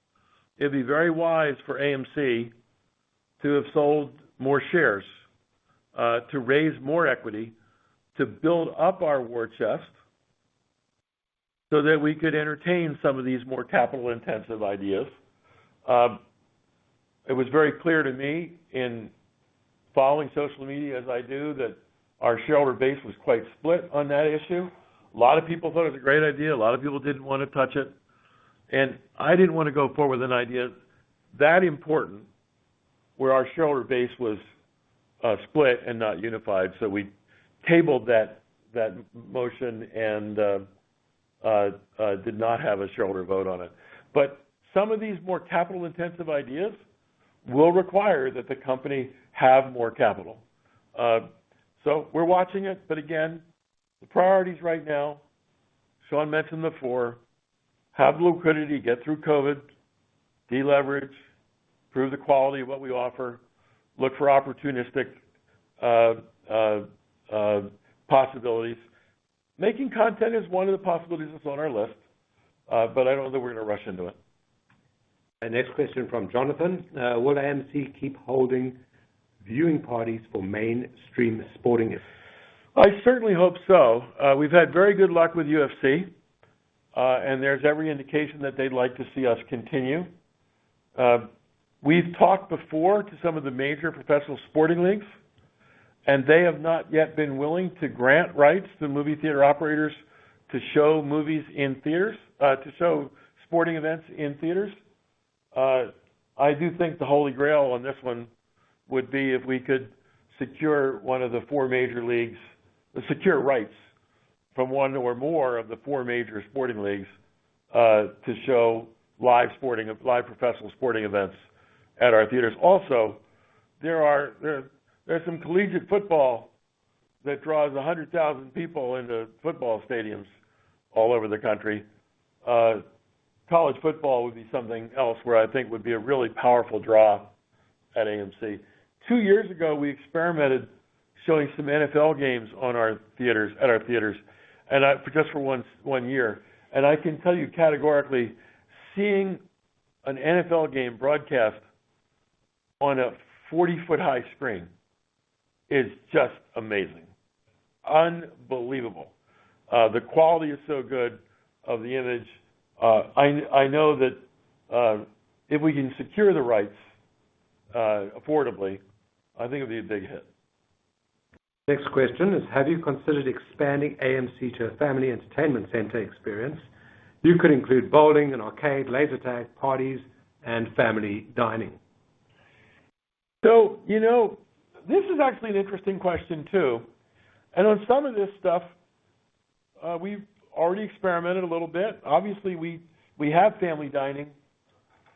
it'd be very wise for AMC to have sold more shares, to raise more equity, to build up our war chest, so that we could entertain some of these more capital-intensive ideas. It was very clear to me in following social media as I do, that our shareholder base was quite split on that issue. A lot of people thought it was a great idea. A lot of people didn't want to touch it. I didn't want to go forward with an idea that important where our shareholder base was split and not unified. We tabled that motion and did not have a shareholder vote on it. Some of these more capital-intensive ideas will require that the company have more capital. We're watching it. Again, the priorities right now, Sean mentioned before, have liquidity, get through COVID, de-leverage, improve the quality of what we offer, look for opportunistic possibilities. Making content is one of the possibilities that's on our list. I don't think we're going to rush into it. The next question from Jonathan, will AMC keep holding viewing parties for mainstream sporting events? I certainly hope so. We've had very good luck with UFC. There's every indication that they'd like to see us continue. We've talked before to some of the major professional sporting leagues, and they have not yet been willing to grant rights to movie theater operators to show sporting events in theaters. I do think the Holy Grail on this one would be if we could secure rights from one or more of the four major sporting leagues to show live professional sporting events at our theaters. Also, there's some collegiate football that draws 100,000 people into football stadiums all over the country. College football would be something else where I think would be a really powerful draw at AMC. Two years ago, we experimented showing some NFL games at our theaters, and just for one year. I can tell you categorically, seeing an NFL game broadcast on a 40-foot high screen is just amazing. Unbelievable. The quality is so good of the image. I know that if we can secure the rights affordably, I think it'd be a big hit. Next question is: Have you considered expanding AMC to a family entertainment center experience? You could include bowling, an arcade, laser tag, parties, and family dining. This is actually an interesting question, too. On some of this stuff, we've already experimented a little bit. Obviously, we have family dining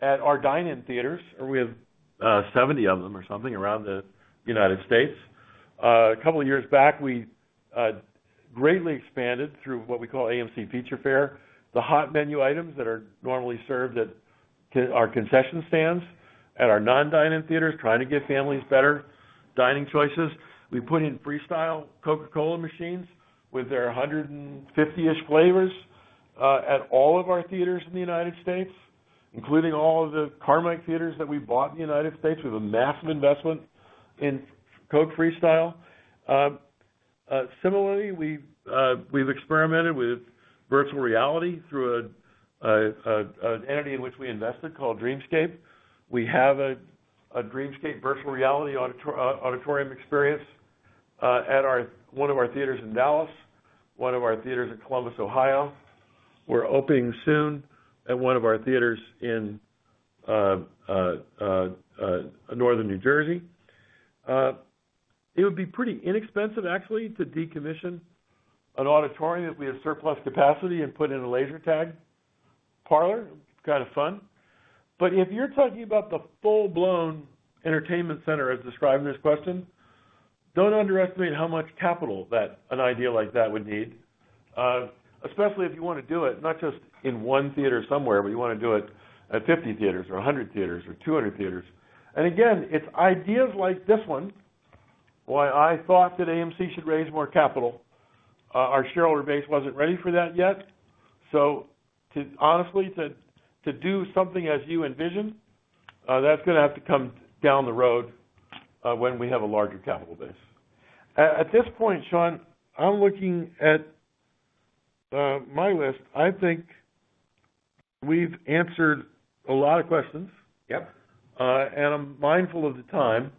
at our dine-in theaters, and we have 70 of them or something around the U.S. A couple of years back, we greatly expanded, through what we call AMC Feature Fare, the hot menu items that are normally served at our concession stands at our non-dine-in theaters, trying to give families better dining choices. We put in Coca-Cola Freestyle machines with their 150-ish flavors, at all of our theaters in the U.S., including all of the Carmike theaters that we bought in the U.S. with a massive investment in Coke Freestyle. Similarly, we've experimented with virtual reality through an entity in which we invested called Dreamscape. We have a Dreamscape virtual reality auditorium experience at one of our theaters in Dallas, one of our theaters in Columbus, Ohio. We're opening soon at one of our theaters in Northern New Jersey. It would be pretty inexpensive, actually, to decommission an auditorium that we have surplus capacity and put in a laser tag parlor. Kind of fun. If you're talking about the full-blown entertainment center as described in this question, don't underestimate how much capital that an idea like that would need. Especially if you want to do it, not just in one theater somewhere, but you want to do it at 50 theaters or 100 theaters or 200 theaters. Again, it's ideas like this one why I thought that AMC should raise more capital. Our shareholder base wasn't ready for that yet. Honestly, to do something as you envision, that's going to have to come down the road when we have a larger capital base. At this point, Sean, I'm looking at my list. I think we've answered a lot of questions. Yep. I'm mindful of the time.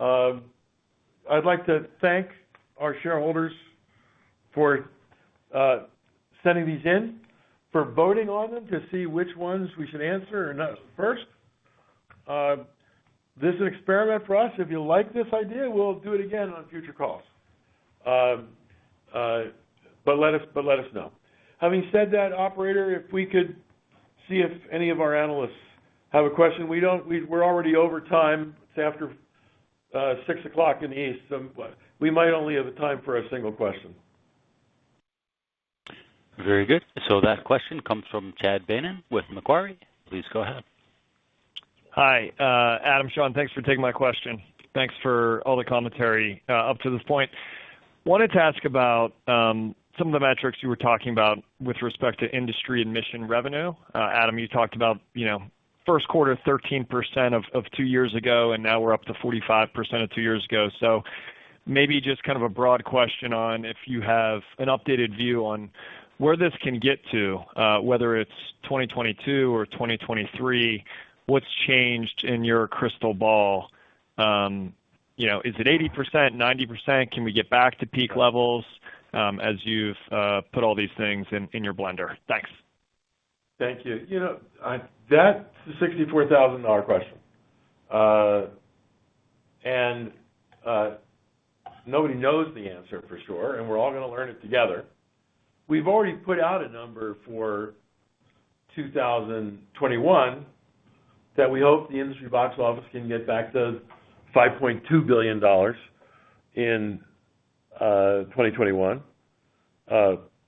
I'd like to thank our shareholders for sending these in, for voting on them to see which ones we should answer or not first. This is an experiment for us. If you like this idea, we'll do it again on future calls. Let us know. Having said that, operator, if we could see if any of our analysts have a question. We're already over time. It's after 6:00PM in the East. We might only have a time for a single question. Very good. That question comes from Chad Beynon with Macquarie. Please go ahead. Hi. Adam, Sean, thanks for taking my question. Thanks for all the commentary up to this point. Wanted to ask about some of the metrics you were talking about with respect to industry admission revenue. Adam, you talked about first quarter, 13% of two years ago, and now we're up to 45% of two years ago. Maybe just kind of a broad question on if you have an updated view on where this can get to, whether it's 2022 or 2023, what's changed in your crystal ball? Is it 80%, 90%? Can we get back to peak levels as you've put all these things in your blender? Thanks. Thank you. That's the $64,000 question. Nobody knows the answer for sure, and we're all going to learn it together. We've already put out a number for 2021 that we hope the industry box office can get back to $5.2 billion in 2021,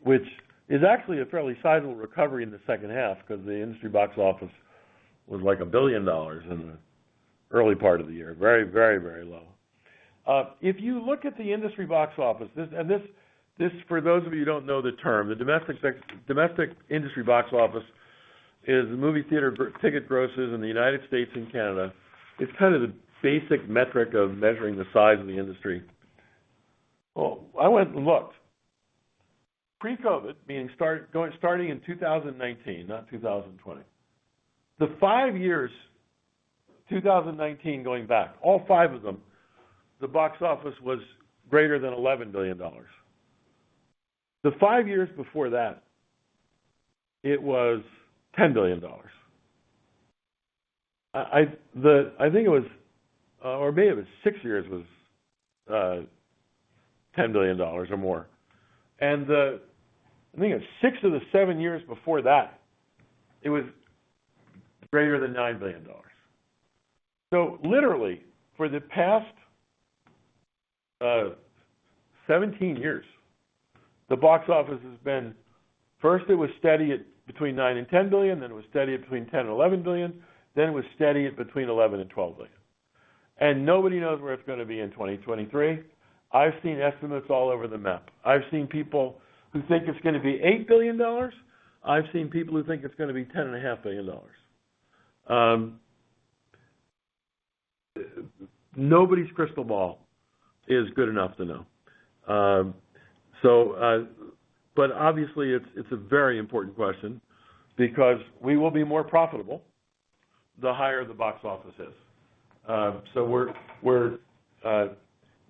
which is actually a fairly sizable recovery in the second half because the industry box office was like a billion dollars in the early part of the year. Very low. If you look at the industry box office, and this, for those of you who don't know the term, the domestic industry box office is the movie theater ticket grosses in the United States and Canada. It's kind of the basic metric of measuring the size of the industry. I went and looked. Pre-COVID, meaning starting in 2019, not 2020. The five years, 2019 going back, all five of them, the box office was greater than $11 billion. The five years before that, it was $10 billion. I think it was, or maybe it was six years was $10 billion or more. I think it was six of the seven years before that, it was greater than $9 billion. Literally for the past 17 years, the box office has been, first it was steady at between $9 billion and $10 billion, then it was steady at between $10 billion and $11 billion, then it was steady at between $11 billion and $12 billion. Nobody knows where it's going to be in 2023. I've seen estimates all over the map. I've seen people who think it's going to be $8 billion. I've seen people who think it's going to be $10.5 billion. Nobody's crystal ball is good enough to know. Obviously it's a very important question because we will be more profitable the higher the box office is.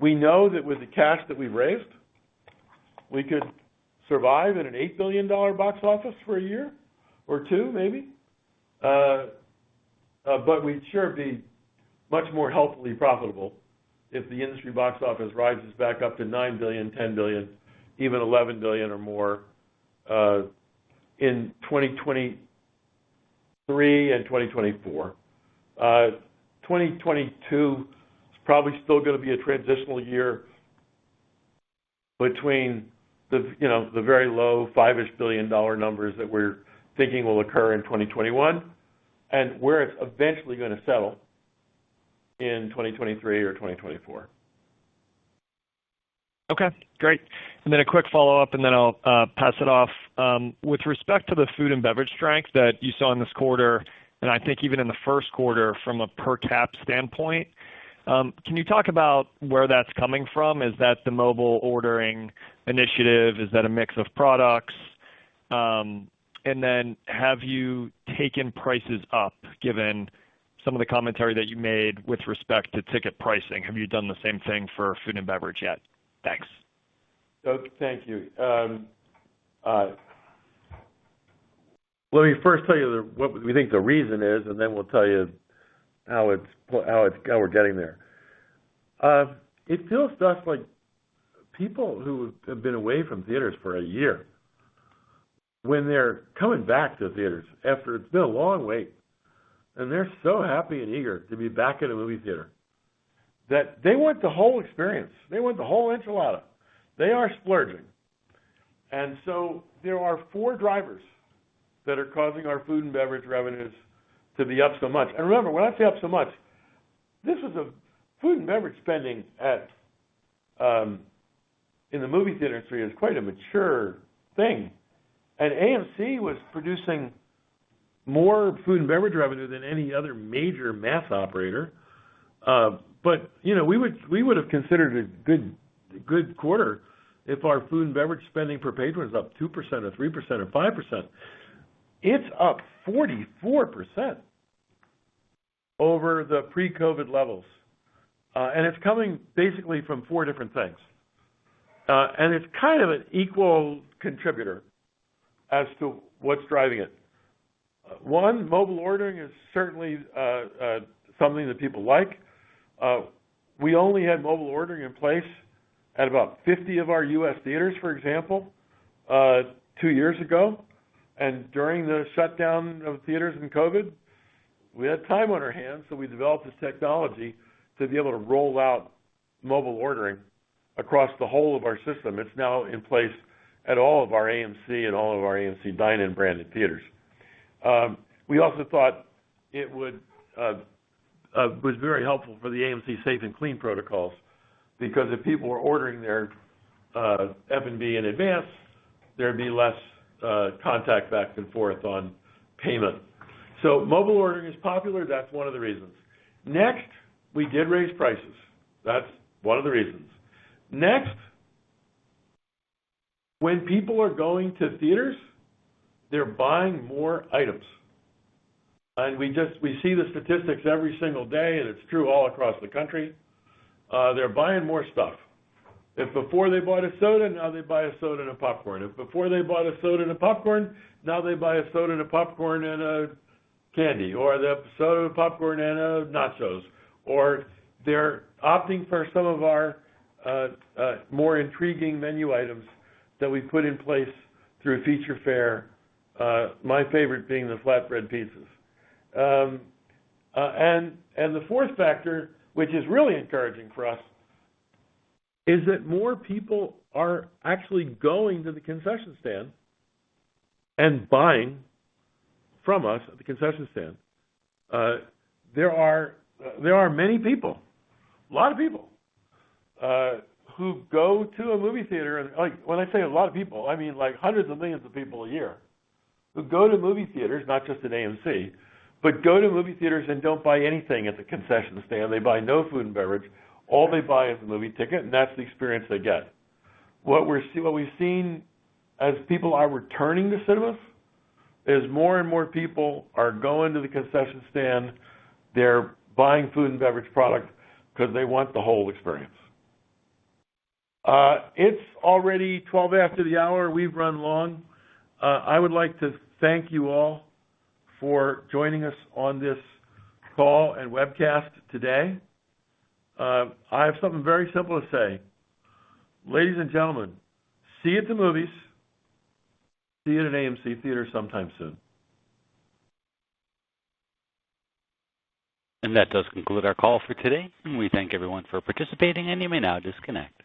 We know that with the cash that we've raised, we could survive at an $8 billion box office for a year or two maybe. We'd sure be much more healthily profitable if the industry box office rises back up to $9 billion, $10 billion, even $11 billion or more, in 2023 and 2024. 2022 is probably still going to be a transitional year between the very low $5-ish billion numbers that we're thinking will occur in 2021, and where it's eventually going to settle in 2023 or 2024. Okay. Great. A quick follow-up and then I'll pass it off. With respect to the food and beverage strength that you saw in this quarter, and I think even in the first quarter from a per-cap standpoint, can you talk about where that's coming from? Is that the mobile ordering initiative? Is that a mix of products? Have you taken prices up given some of the commentary that you made with respect to ticket pricing? Have you done the same thing for food and beverage yet? Thanks. Thank you. Let me first tell you what we think the reason is, then we'll tell you how we're getting there. It feels to us like people who have been away from theatres for a year, when they're coming back to theatres after it's been a long wait, and they're so happy and eager to be back at a movie theatre, that they want the whole experience. They want the whole enchilada. They are splurging. There are four drivers that are causing our food and beverage revenues to be up so much. Remember, when I say up so much, food and beverage spending in the movie theatre industry is quite a mature thing. AMC was producing more food and beverage revenue than any other major mass operator. We would've considered a good quarter if our food and beverage spending per patron was up 2% or 3% or 5%. It's up 44% over the pre-COVID levels. It's coming basically from four different things. It's kind of an equal contributor as to what's driving it. One, mobile ordering is certainly something that people like. We only had mobile ordering in place at about 50 of our U.S. theaters, for example, two years ago. During the shutdown of theaters in COVID, we had time on our hands, so we developed this technology to be able to roll out mobile ordering across the whole of our system. It's now in place at all of our AMC and all of our AMC Dine-In branded theaters. We also thought it was very helpful for the AMC Safe & Clean protocols, because if people were ordering their F&B in advance, there'd be less contact back and forth on payment. Mobile ordering is popular. That's one of the reasons. Next, we did raise prices. That's one of the reasons. Next, when people are going to theaters, they're buying more items. We see the statistics every single day, and it's true all across the country. They're buying more stuff. If before they bought a soda, now they buy a soda and a popcorn. If before they bought a soda and a popcorn, now they buy a soda and a popcorn and a candy, or the soda and a popcorn and nachos. They're opting for some of our more intriguing menu items that we've put in place through Feature Fare, my favorite being the flatbread pizzas. The fourth factor, which is really encouraging for us, is that more people are actually going to the concession stand and buying from us at the concession stand. There are many people, a lot of people, who go to a movie theater, and when I say a lot of people, I mean like hundreds of millions of people a year, who go to movie theaters, not just at AMC, but go to movie theaters and don't buy anything at the concession stand. They buy no food and beverage. All they buy is a movie ticket, and that's the experience they get. What we've seen as people are returning to cinemas is more and more people are going to the concession stand. They're buying food and beverage product because they want the whole experience. It's already 12 after the hour. We've run long. I would like to thank you all for joining us on this call and webcast today. I have something very simple to say. Ladies and gentlemen, see you at the movies. See you at an AMC theater sometime soon. That does conclude our call for today, and we thank everyone for participating, and you may now disconnect.